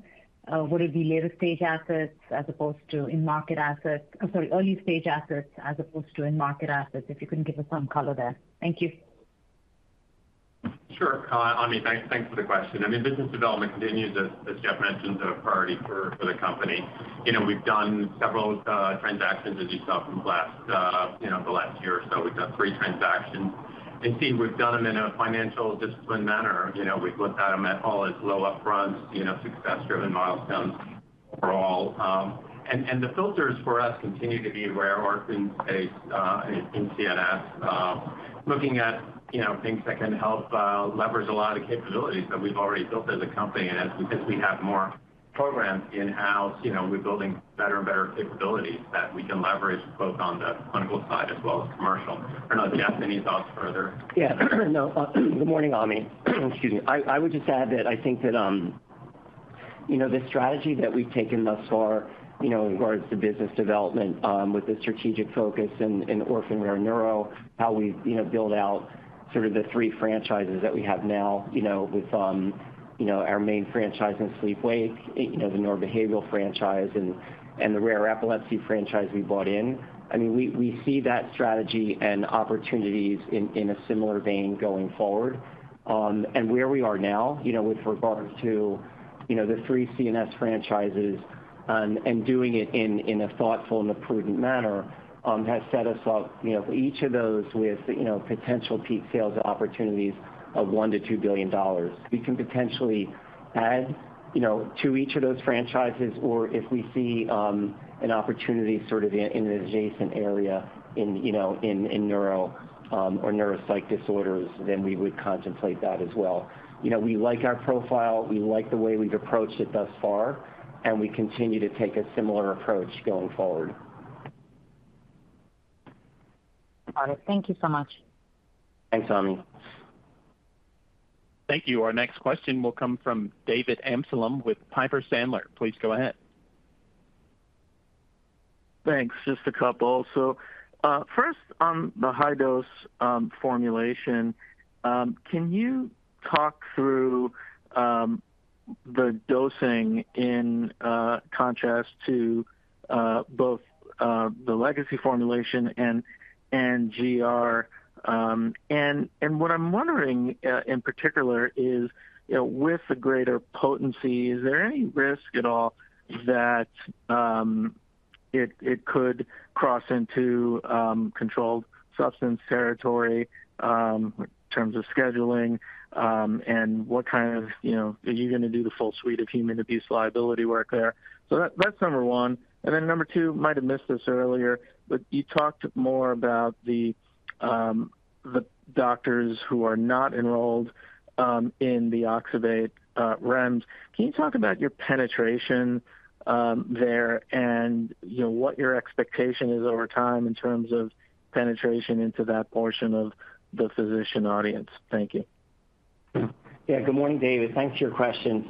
Would it be later stage assets as opposed to in-market assets—I'm sorry, early stage assets as opposed to in-market assets? If you can give us some color there. Thank you. Sure, Ami, thanks, thanks for the question. I mean, business development continues, as Jeff mentioned, a priority for the company. You know, we've done several transactions as you saw from the last year or so. We've done three transactions. And see, we've done them in a financial disciplined manner. You know, we've looked at them all as low up front, you know, success-driven milestones overall. And the filters for us continue to be rare orphan-based in CNS. Looking at, you know, things that can help leverage a lot of capabilities that we've already built as a company. And since we have more programs in-house, you know, we're building better and better capabilities that we can leverage both on the clinical side as well as commercial. I don't know, Jeff, any thoughts further? Yeah. No, good morning, Ami. Excuse me. I would just add that I think that, you know, the strategy that we've taken thus far, you know, in regards to business development, with the strategic focus in orphan rare neuro, how we, you know, build out sort of the three franchises that we have now. You know, with, you know, our main franchise in sleep wake, you know, the neurobehavioral franchise and the rare epilepsy franchise we bought in. I mean, we see that strategy and opportunities in a similar vein going forward. Where we are now, you know, with regards to, you know, the three CNS franchises and doing it in a thoughtful and a prudent manner has set us up, you know, for each of those with, you know, potential peak sales opportunities of $1 billion-$2 billion. We can potentially add, you know, to each of those franchises or if we see an opportunity sort of in an adjacent area in neuro or neuropsych disorders, then we would contemplate that as well. You know, we like our profile, we like the way we've approached it thus far, and we continue to take a similar approach going forward. All right. Thank you so much. Thanks, Ami. Thank you. Our next question will come from David Amsellem with Piper Sandler. Please go ahead. Thanks. Just a couple. So, first, on the high dose formulation, can you talk through the dosing in contrast to both the legacy formulation and GR? And what I'm wondering in particular is, you know, with the greater potency, is there any risk at all that it could cross into controlled substance territory in terms of scheduling? And what kind of... You know, are you going to do the full suite of human abuse liability work there? So that's number one. And then number two, might have missed this earlier, but you talked more about the doctors who are not enrolled in the oxybate REMS. Can you talk about your penetration, there, and you know, what your expectation is over time in terms of penetration into that portion of the physician audience? Thank you. Yeah. Good morning, David. Thanks for your questions.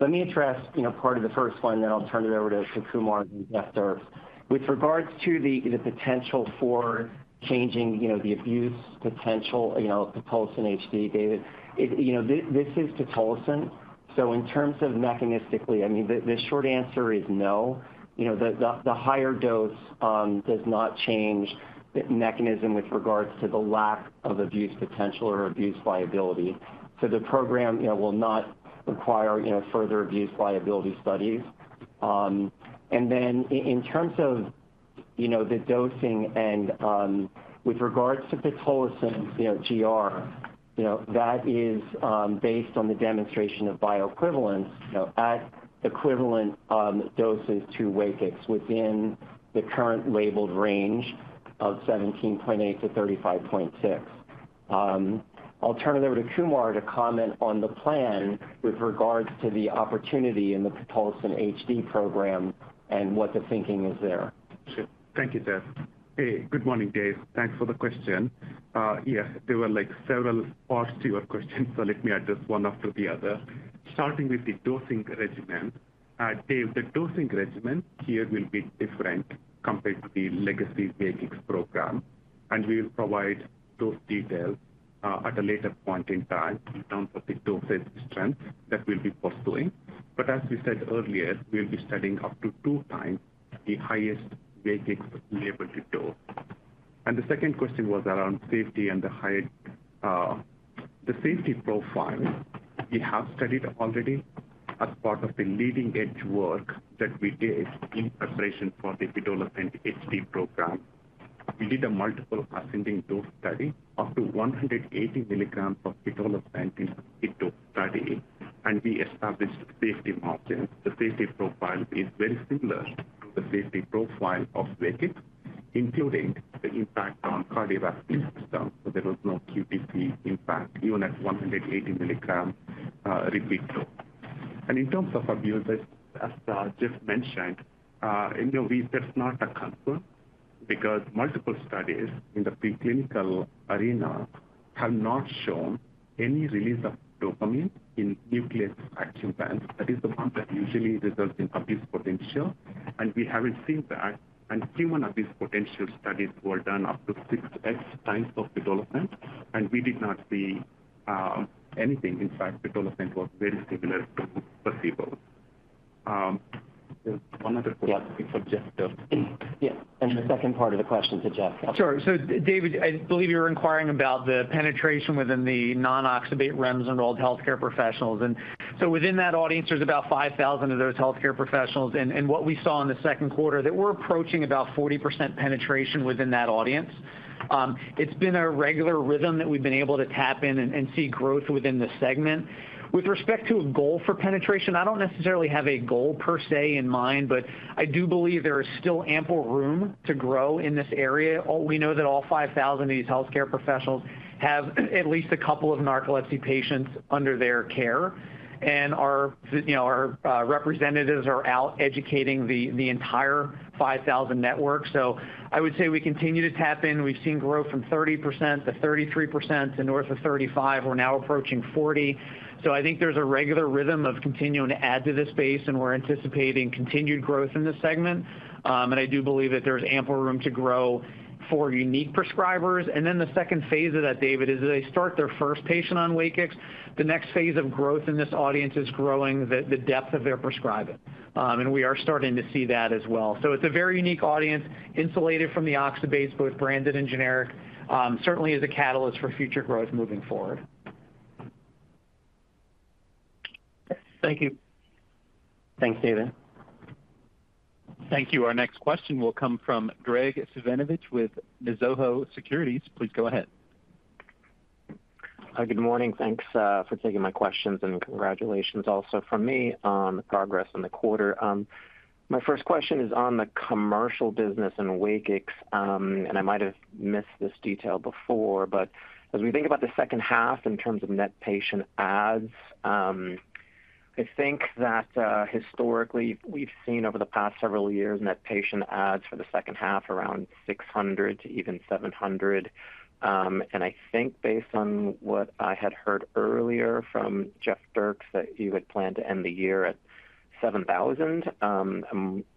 Let me address, you know, part of the first one, then I'll turn it over to Kumar and Jeff Dierks. With regards to the potential for changing, you know, the abuse potential, you know, Pitolisant HD, David. You know, this is Pitolisant. So in terms of mechanistically, I mean, the short answer is no. You know, the higher dose does not change the mechanism with regards to the lack of abuse potential or abuse liability. So the program, you know, will not require, you know, further abuse liability studies. And then in terms of, you know, the dosing and, with regards to pitolisant, you know, GR, you know, that is, based on the demonstration of bioequivalence, you know, at equivalent, doses to WAKIX within the current labeled range of 17.8-35.6. I'll turn it over to Kumar to comment on the plan with regards to the opportunity in the pitolisant HD program and what the thinking is there. Sure. Thank you, Jeff. Hey, good morning, Dave. Thanks for the question. Yes, there were, like, several parts to your question, so let me address one after the other. Starting with the dosing regimen. Dave, the dosing regimen here will be different compared to the legacy WAKIX program, and we will provide those details at a later point in time in terms of the dosage strength that we'll be pursuing. But as we said earlier, we'll be studying up to two times the highest WAKIX label to dose. And the second question was around safety and the high. The safety profile, we have studied already as part of the leading-edge work that we did in preparation for the pitolisant HD program. We did a multiple ascending dose study up to 180 milligrams of pitolisant, and we established safety margins. The safety profile is very similar to the safety profile of WAKIX, including the impact on cardiovascular system. So there was no QTc impact, even at 180 milligram, repeat dose. And in terms of abuse, as Jeff mentioned, you know, that's not a concern because multiple studies in the preclinical arena have not shown any release of dopamine in nucleus accumbens. That is the one that usually results in abuse potential, and we haven't seen that, and human abuse potential studies were done up to 6x times of pitolisant, and we did not see anything. In fact, pitolisant was very similar to placebo. One other question for Jeff, though. Yeah, and the second part of the question to Jeff. Sure. So David, I believe you were inquiring about the penetration within the non-oxybate REMS-enrolled healthcare professionals. And so within that audience, there's about 5,000 of those healthcare professionals. And what we saw in the second quarter, that we're approaching about 40% penetration within that audience. It's been a regular rhythm that we've been able to tap in and see growth within the segment. With respect to a goal for penetration, I don't necessarily have a goal per se in mind, but I do believe there is still ample room to grow in this area. We know that all 5,000 of these healthcare professionals have at least a couple of narcolepsy patients under their care, and you know, our representatives are out educating the entire 5,000 network. So I would say we continue to tap in. We've seen growth from 30% to 33% to north of 35%. We're now approaching 40%. So I think there's a regular rhythm of continuing to add to this space, and we're anticipating continued growth in this segment. And I do believe that there's ample room to grow for unique prescribers. And then the second phase of that, David, is as they start their first patient on WAKIX, the next phase of growth in this audience is growing the, the depth of their prescribing. And we are starting to see that as well. So it's a very unique audience, insulated from the oxybates, both branded and generic. Certainly is a catalyst for future growth moving forward. Thank you. Thanks, David. Thank you. Our next question will come from Graig Suvannavejh with Mizuho Securities. Please go ahead. Hi, good morning. Thanks, for taking my questions, and congratulations also from me on the progress in the quarter. My first question is on the commercial business and WAKIX, and I might have missed this detail before, but as we think about the second half in terms of net patient adds, I think that, historically, we've seen over the past several years, net patient adds for the second half around 600 to even 700. And I think based on what I had heard earlier from Jeffrey Dierks, that you had planned to end the year at 7,000.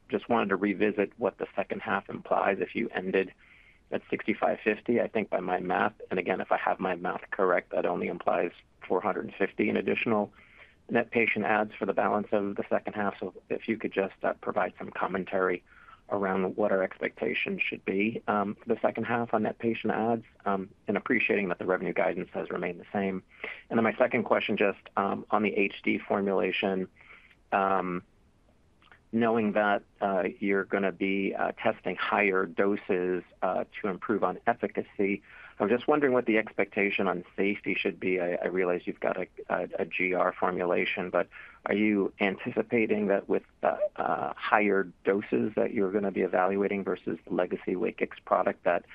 Just wanted to revisit what the second half implies if you ended at $65.50, I think, by my math, and again, if I have my math correct, that only implies 450 in additional net patient adds for the balance of the second half. So if you could just provide some commentary around what our expectations should be for the second half on net patient adds, and appreciating that the revenue guidance has remained the same. Then my second question, just on the HD formulation. Knowing that you're going to be testing higher doses to improve on efficacy, I'm just wondering what the expectation on safety should be. I realize you've got a GR formulation, but are you anticipating that with the higher doses that you're going to be evaluating versus the legacy WAKIX product, that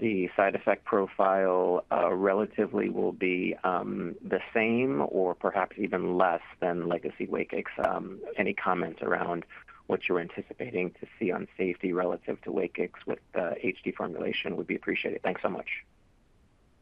the side effect profile relatively will be the same or perhaps even less than legacy WAKIX? Any comments around what you're anticipating to see on safety relative to WAKIX with the HD formulation would be appreciated. Thanks so much.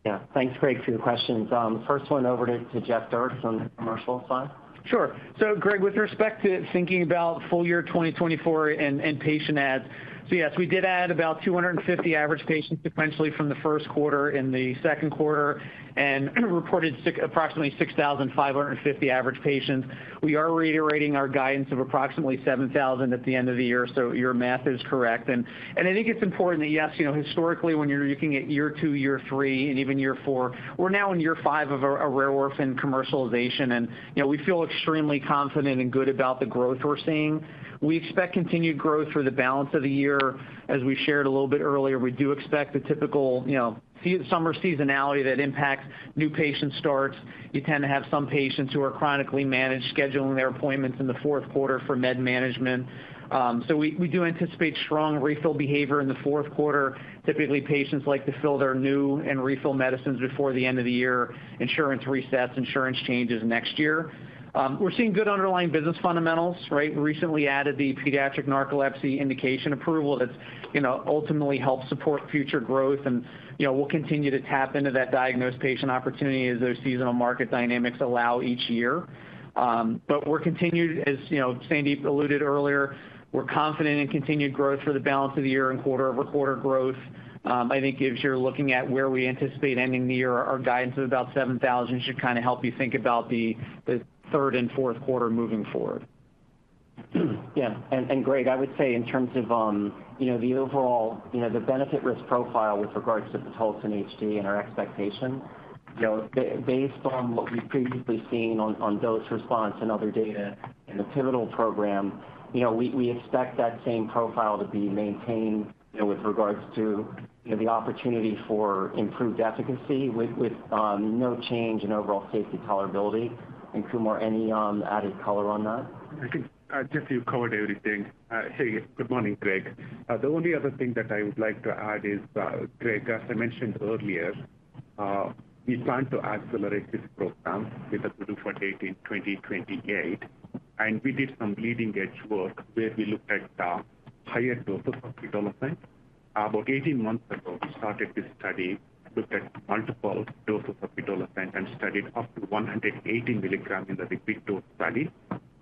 Yeah. Thanks, Graig, for your questions. First one over to Jeff Dierks on the commercial side. Sure. So Greg, with respect to thinking about full year 2024 and patient adds, so yes, we did add about 250 average patients sequentially from the first quarter and the second quarter, and reported approximately 6,550 average patients. We are reiterating our guidance of approximately 7,000 at the end of the year, so your math is correct. And I think it's important that, yes, you know, historically, when you're looking at year two, year three, and even year four, we're now in year five of a rare orphan commercialization, and you know, we feel extremely confident and good about the growth we're seeing. We expect continued growth for the balance of the year. As we shared a little bit earlier, we do expect the typical, you know, summer seasonality that impacts new patient starts. You tend to have some patients who are chronically managed, scheduling their appointments in the fourth quarter for med management. So we do anticipate strong refill behavior in the fourth quarter. Typically, patients like to fill their new and refill medicines before the end of the year, insurance resets, insurance changes next year. We're seeing good underlying business fundamentals, right? We recently added the pediatric narcolepsy indication approval that, you know, ultimately helps support future growth, and, you know, we'll continue to tap into that diagnosed patient opportunity as those seasonal market dynamics allow each year. As you know, Sandip alluded earlier, we're confident in continued growth for the balance of the year and quarter-over-quarter growth. I think as you're looking at where we anticipate ending the year, our guidance of about 7,000 should kind of help you think about the third and fourth quarter moving forward. Yeah, and, and Graig, I would say in terms of, you know, the overall, you know, the benefit risk profile with regards to pitolisant HD and our expectation, you know, based on what we've previously seen on, on dose response and other data in the pivotal program, you know, we, we expect that same profile to be maintained, you know, with regards to, you know, the opportunity for improved efficacy with, with no change in overall safety tolerability. And Kumar, any added color on that? I think, Jeff, you covered everything. Hey, good morning, Greg. The only other thing that I would like to add is, Greg, as I mentioned earlier, we plan to accelerate this program with a proof of concept in 2028, and we did some leading-edge work where we looked at higher doses of pitolisant. About 18 months ago, we started this study, looked at multiple doses of pitolisant, and studied up to 180 milligrams in the high dose level.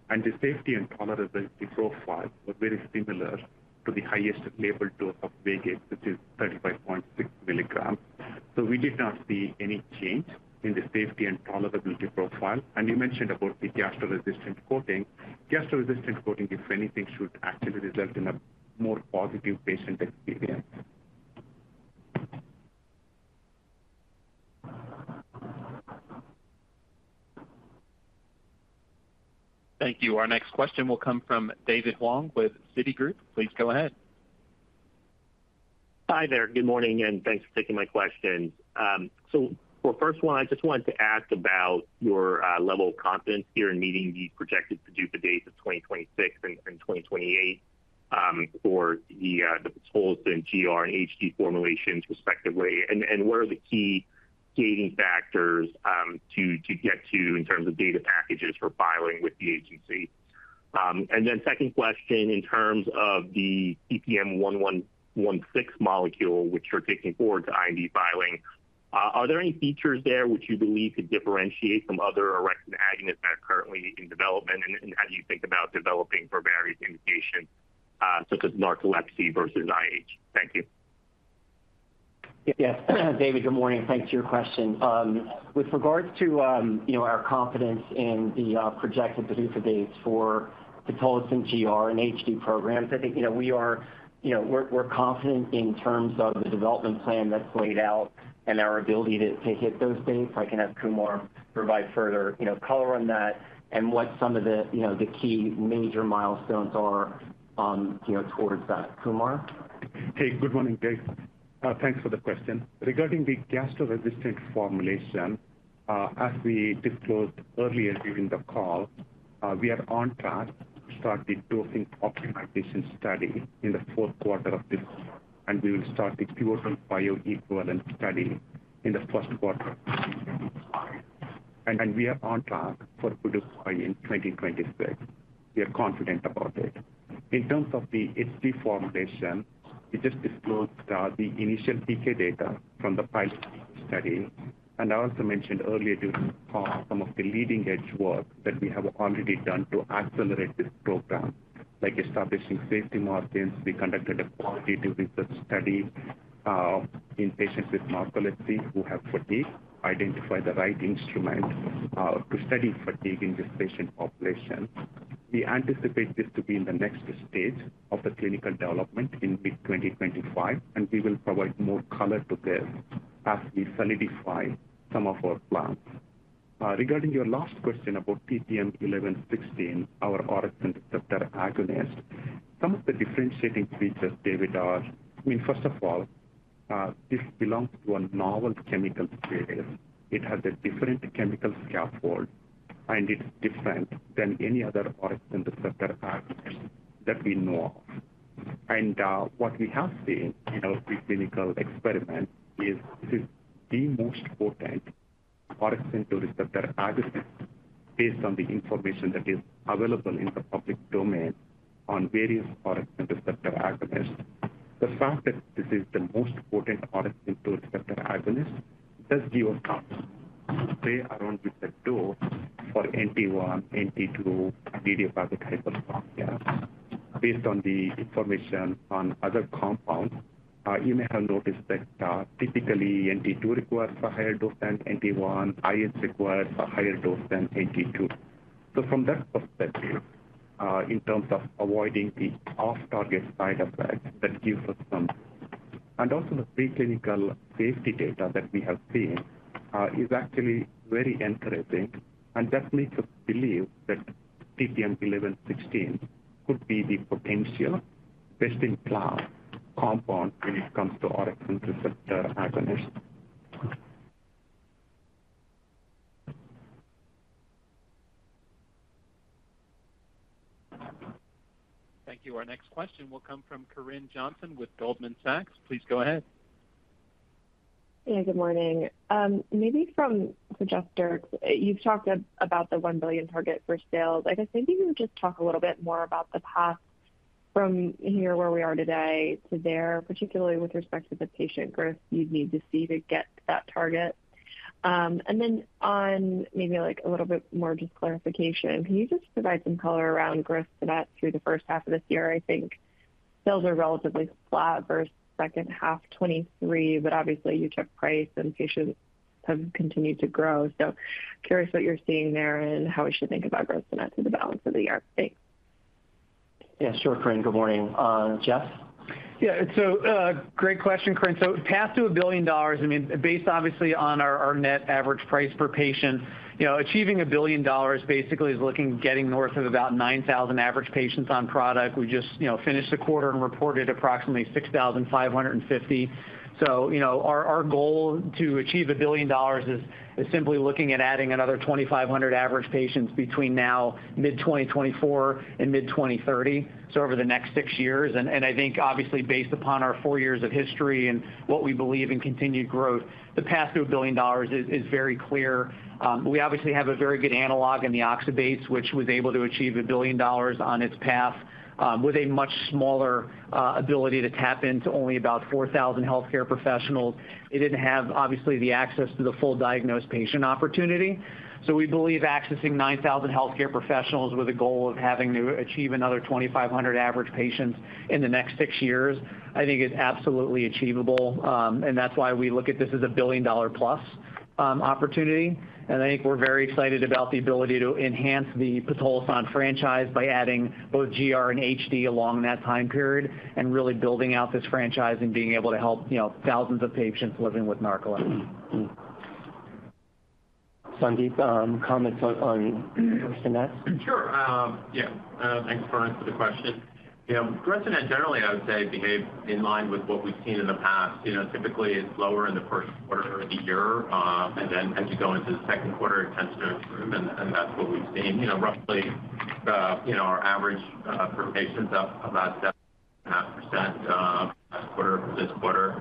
And the safety and tolerability profile was very similar to the highest label dose of WAKIX, which is 35.6 milligrams... So we did not see any change in the safety and tolerability profile. And you mentioned about the gastro-resistant coating. Gastro-resistant coating, if anything, should actually result in a more positive patient experience. Thank you. Our next question will come from David Hoang with Citigroup. Please go ahead. Hi there. Good morning, and thanks for taking my questions. So for first one, I just wanted to ask about your level of confidence here in meeting the projected PDUFA dates of 2026 and 2028 for the pitolisant GR and HD formulations respectively. What are the key gating factors to get to in terms of data packages for filing with the agency? Then second question, in terms of the TPM-1116 molecule, which you're taking forward to IND filing, are there any features there which you believe could differentiate from other orexin agonists that are currently in development? How do you think about developing for various indications, such as narcolepsy versus IH? Thank you. Yes. David, good morning. Thanks for your question. With regards to, you know, our confidence in the, projected PDUFA dates for Pitolisant GR and HD programs, I think, you know, we are, you know, we're, we're confident in terms of the development plan that's laid out and our ability to, to hit those dates. I can have Kumar provide further, you know, color on that and what some of the, you know, the key major milestones are, you know, towards that. Kumar? Hey, good morning, Dave. Thanks for the question. Regarding the gastro-resistant formulation, as we disclosed earlier during the call, we are on track to start the dosing optimization study in the fourth quarter of this year, and we will start the pure bioequivalent study in the first quarter. We are on track for PDUFA in 2026. We are confident about it. In terms of the HD formulation, we just disclosed the initial PK data from the pilot study, and I also mentioned earlier during the call some of the leading-edge work that we have already done to accelerate this program, like establishing safety margins. We conducted a qualitative research study in patients with narcolepsy who have fatigue, identify the right instrument to study fatigue in this patient population. We anticipate this to be in the next stage of the clinical development in mid-2025, and we will provide more color to this as we solidify some of our plans. Regarding your last question about TPM-1116, our orexin receptor agonist, some of the differentiating features, David, are—I mean, first of all, this belongs to a novel chemical series. It has a different chemical scaffold, and it's different than any other orexin receptor agonist that we know of. And, what we have seen in our preclinical experiment is this is the most potent orexin receptor agonist based on the information that is available in the public domain on various orexin receptor agonists. The fact that this is the most potent orexin receptor agonist does give us confidence. It opens the door for NT1, NT2, idiopathic hypersomnia. Based on the information on other compounds, you may have noticed that, typically NT2 requires a higher dose than NT1. IH requires a higher dose than NT2. So from that perspective, in terms of avoiding the off-target side effects, that gives us some. And also the preclinical safety data that we have seen, is actually very encouraging and just makes us believe that TPM-1116 could be the potential best-in-class compound when it comes to orexin receptor agonist. Thank you. Our next question will come from Corinne Jenkins with Goldman Sachs. Please go ahead. Yeah, good morning. Maybe from Jeff Dierks, you've talked about the $1 billion target for sales. Like, if maybe you could just talk a little bit more about the path from here, where we are today to there, particularly with respect to the patient growth you'd need to see to get to that target. And then on maybe, like, a little bit more just clarification, can you just provide some color around gross-to-net through the first half of this year? I think sales are relatively flat versus second half of 2023, but obviously you raised price and patients have continued to grow. So curious what you're seeing there and how we should think about gross-to-net through the balance of the year. Thanks. Yeah, sure, Corinne. Good morning. Jeff? Yeah, so, great question, Corinne. So path to $1 billion, I mean, based obviously on our, our net average price per patient, you know, achieving $1 billion basically is looking, getting north of about 9,000 average patients on product. We just, you know, finished the quarter and reported approximately 6,550. So, you know, our, our goal to achieve $1 billion is, is simply looking at adding another 2,500 average patients between now, mid-2024, and mid-2030, so over the next 6 years. And, and I think obviously based upon our 4 years of history and what we believe in continued growth, the path to $1 billion is, is very clear. We obviously have a very good analog in the oxybates, which was able to achieve $1 billion on its path, with a much smaller ability to tap into only about 4,000 healthcare professionals. It didn't have, obviously, the access to the full diagnosed patient opportunity. So we believe accessing 9,000 healthcare professionals with a goal of having to achieve another 2,500 average patients in the next six years, I think is absolutely achievable, and that's why we look at this as a billion-dollar-plus. Opportunity, and I think we're very excited about the ability to enhance the Pitolisant franchise by adding both GR and HD along that time period, and really building out this franchise and being able to help, you know, thousands of patients living with narcolepsy. Sandip, comments on gross-to-net? Sure. Yeah, thanks, Corinne, for the question. You know, gross-to-net generally, I would say, behaved in line with what we've seen in the past. You know, typically, it's lower in the first quarter of the year, and then as you go into the second quarter, it tends to improve, and that's what we've seen. You know, roughly, you know, our average, for patients up about 7.5%, last quarter from this quarter.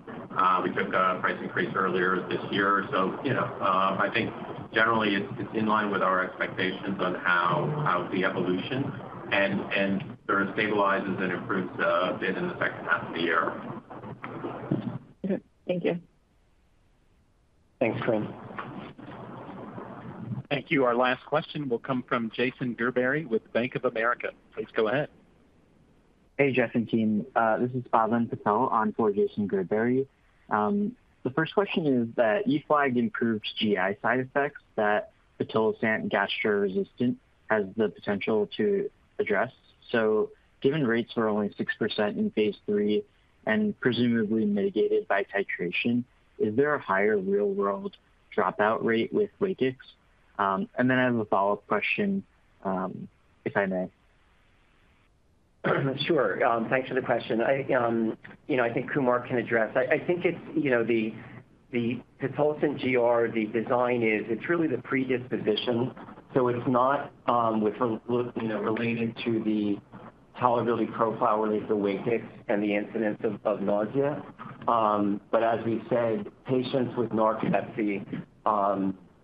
We took a price increase earlier this year, so, you know, I think generally it's in line with our expectations on how it will evolve. And sort of stabilizes and improves, bit in the second half of the year. Okay. Thank you. Thanks, Corinne. Thank you. Our last question will come from Jason Gerberry with Bank of America. Please go ahead. Hey, Jeff and team. This is Pavan Patel on for Jason Gerberry. The first question is that you flagged improved GI side effects, that pitolisant gastroresistant has the potential to address. So given rates are only 6% in phase 3 and presumably mitigated by titration, is there a higher real-world dropout rate with WAKIX? And then I have a follow-up question, if I may. Sure. Thanks for the question. You know, I think Kumar can address. I think it's, you know, the pitolisant GR, the design is, it's really the predisposition, so it's not with a look, you know, related to the tolerability profile with the WAKIX and the incidence of nausea. But as we said, patients with narcolepsy,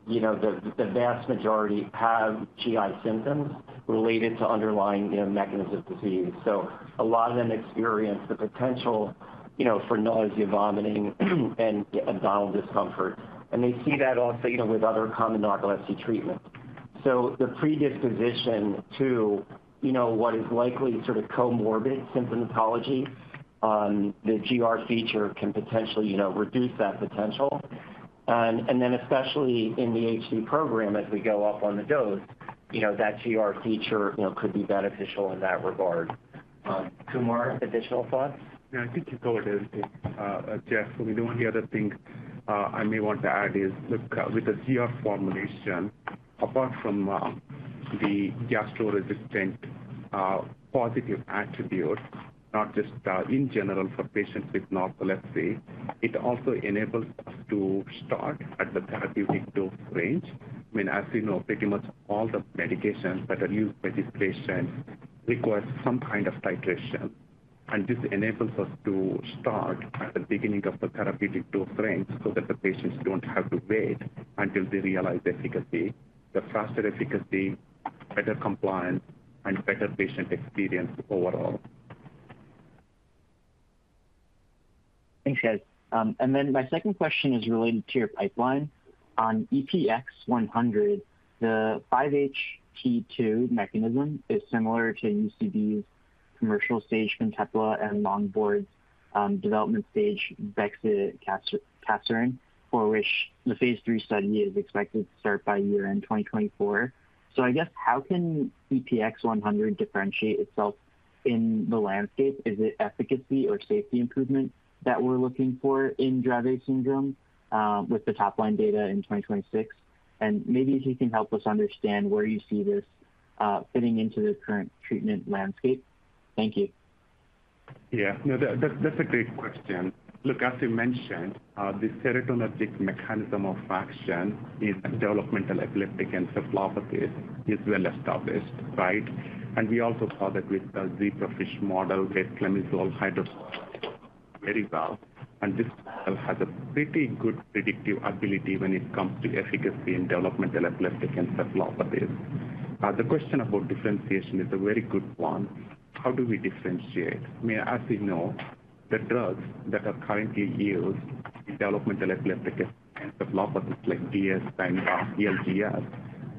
you know, the vast majority have GI symptoms related to underlying, you know, mechanism disease. So a lot of them experience the potential, you know, for nausea, vomiting, and abdominal discomfort, and they see that also, you know, with other common narcolepsy treatments. So the predisposition to, you know, what is likely sort of comorbid symptomatology, the GR feature can potentially, you know, reduce that potential. And then especially in the HD program, as we go up on the dose, you know, that GR feature, you know, could be beneficial in that regard. Kumar, additional thoughts? Yeah, I think you covered it, Jeff. So the only other thing I may want to add is, look, with the GR formulation, apart from the gastro-resistant positive attribute, not just in general for patients with narcolepsy, it also enables us to start at the therapeutic dose range. I mean, as you know, pretty much all the medications that are used by this patient require some kind of titration, and this enables us to start at the beginning of the therapeutic dose range so that the patients don't have to wait until they realize the efficacy. The faster efficacy, better compliance, and better patient experience overall. Thanks, guys. And then my second question is related to your pipeline. On EPX-100, the 5-HT2 mechanism is similar to UCB's commercial stage Fintepla and Longboard, development stage Bexicaserin, for which the phase 3 study is expected to start by year-end 2024. So I guess how can EPX-100 differentiate itself in the landscape? Is it efficacy or safety improvement that we're looking for in Dravet Syndrome, with the top-line data in 2026? And maybe if you can help us understand where you see this fitting into the current treatment landscape. Thank you. Yeah. No, that, that's a great question. Look, as you mentioned, the serotonergic mechanism of action in developmental epileptic encephalopathies is well established, right? And we also saw that with a zebrafish model, where clemizole hydrochloride worked very well, and this model has a pretty good predictive ability when it comes to efficacy in developmental epileptic encephalopathies. The question about differentiation is a very good one. How do we differentiate? I mean, as you know, the drugs that are currently used in developmental epileptic encephalopathies, like DS and LGS,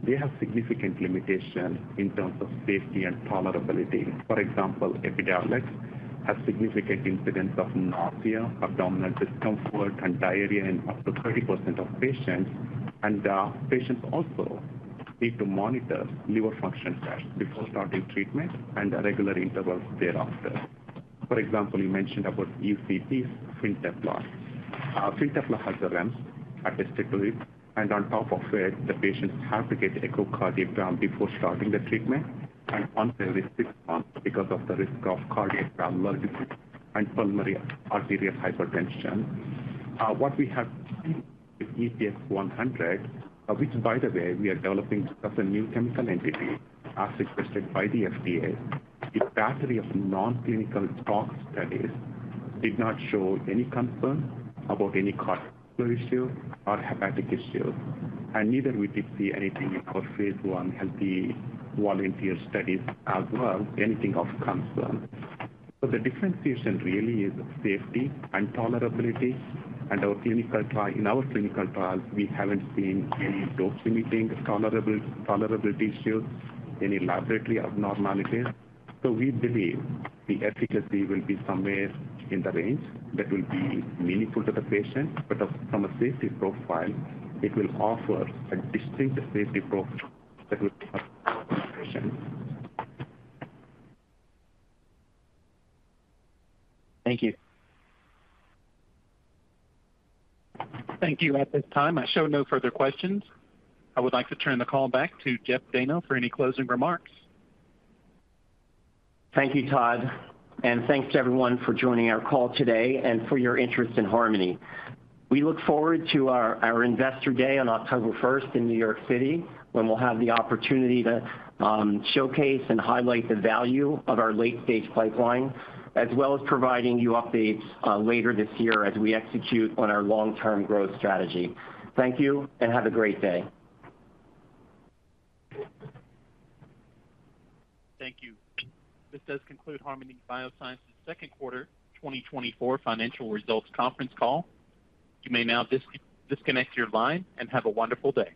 they have significant limitations in terms of safety and tolerability. For example, Epidiolex has significant incidence of nausea, abdominal discomfort, and diarrhea in up to 30% of patients. And, patients also need to monitor liver function tests before starting treatment and at regular intervals thereafter. For example, you mentioned about UCB, Fintepla. Fintepla has a REMS attached to it, and on top of it, the patients have to get echocardiogram before starting the treatment and until six months because of the risk of cardiac valvulopathy and pulmonary arterial hypertension. What we have seen with EPX-100, which by the way, we are developing as a new chemical entity, as requested by the FDA. The battery of non-clinical toxic studies did not show any concern about any cardiac issue or hepatic issue, and neither we did see anything in our phase 1 healthy volunteer studies as well, anything of concern. So the differentiation really is safety and tolerability. And our clinical trial. In our clinical trials, we haven't seen any dose-limiting tolerable, tolerability issues, any laboratory abnormalities. We believe the efficacy will be somewhere in the range that will be meaningful to the patient, but from a safety profile, it will offer a distinct safety profile that will be patient. Thank you. Thank you. At this time, I show no further questions. I would like to turn the call back to Jeff Dayno for any closing remarks. Thank you, Todd, and thanks to everyone for joining our call today and for your interest in Harmony. We look forward to our Investor Day on October first in New York City, when we'll have the opportunity to showcase and highlight the value of our late-stage pipeline, as well as providing you updates later this year as we execute on our long-term growth strategy. Thank you, and have a great day. Thank you. This does conclude Harmony Biosciences' Second Quarter 2024 Financial Results Conference Call. You may now disconnect your line, and have a wonderful day.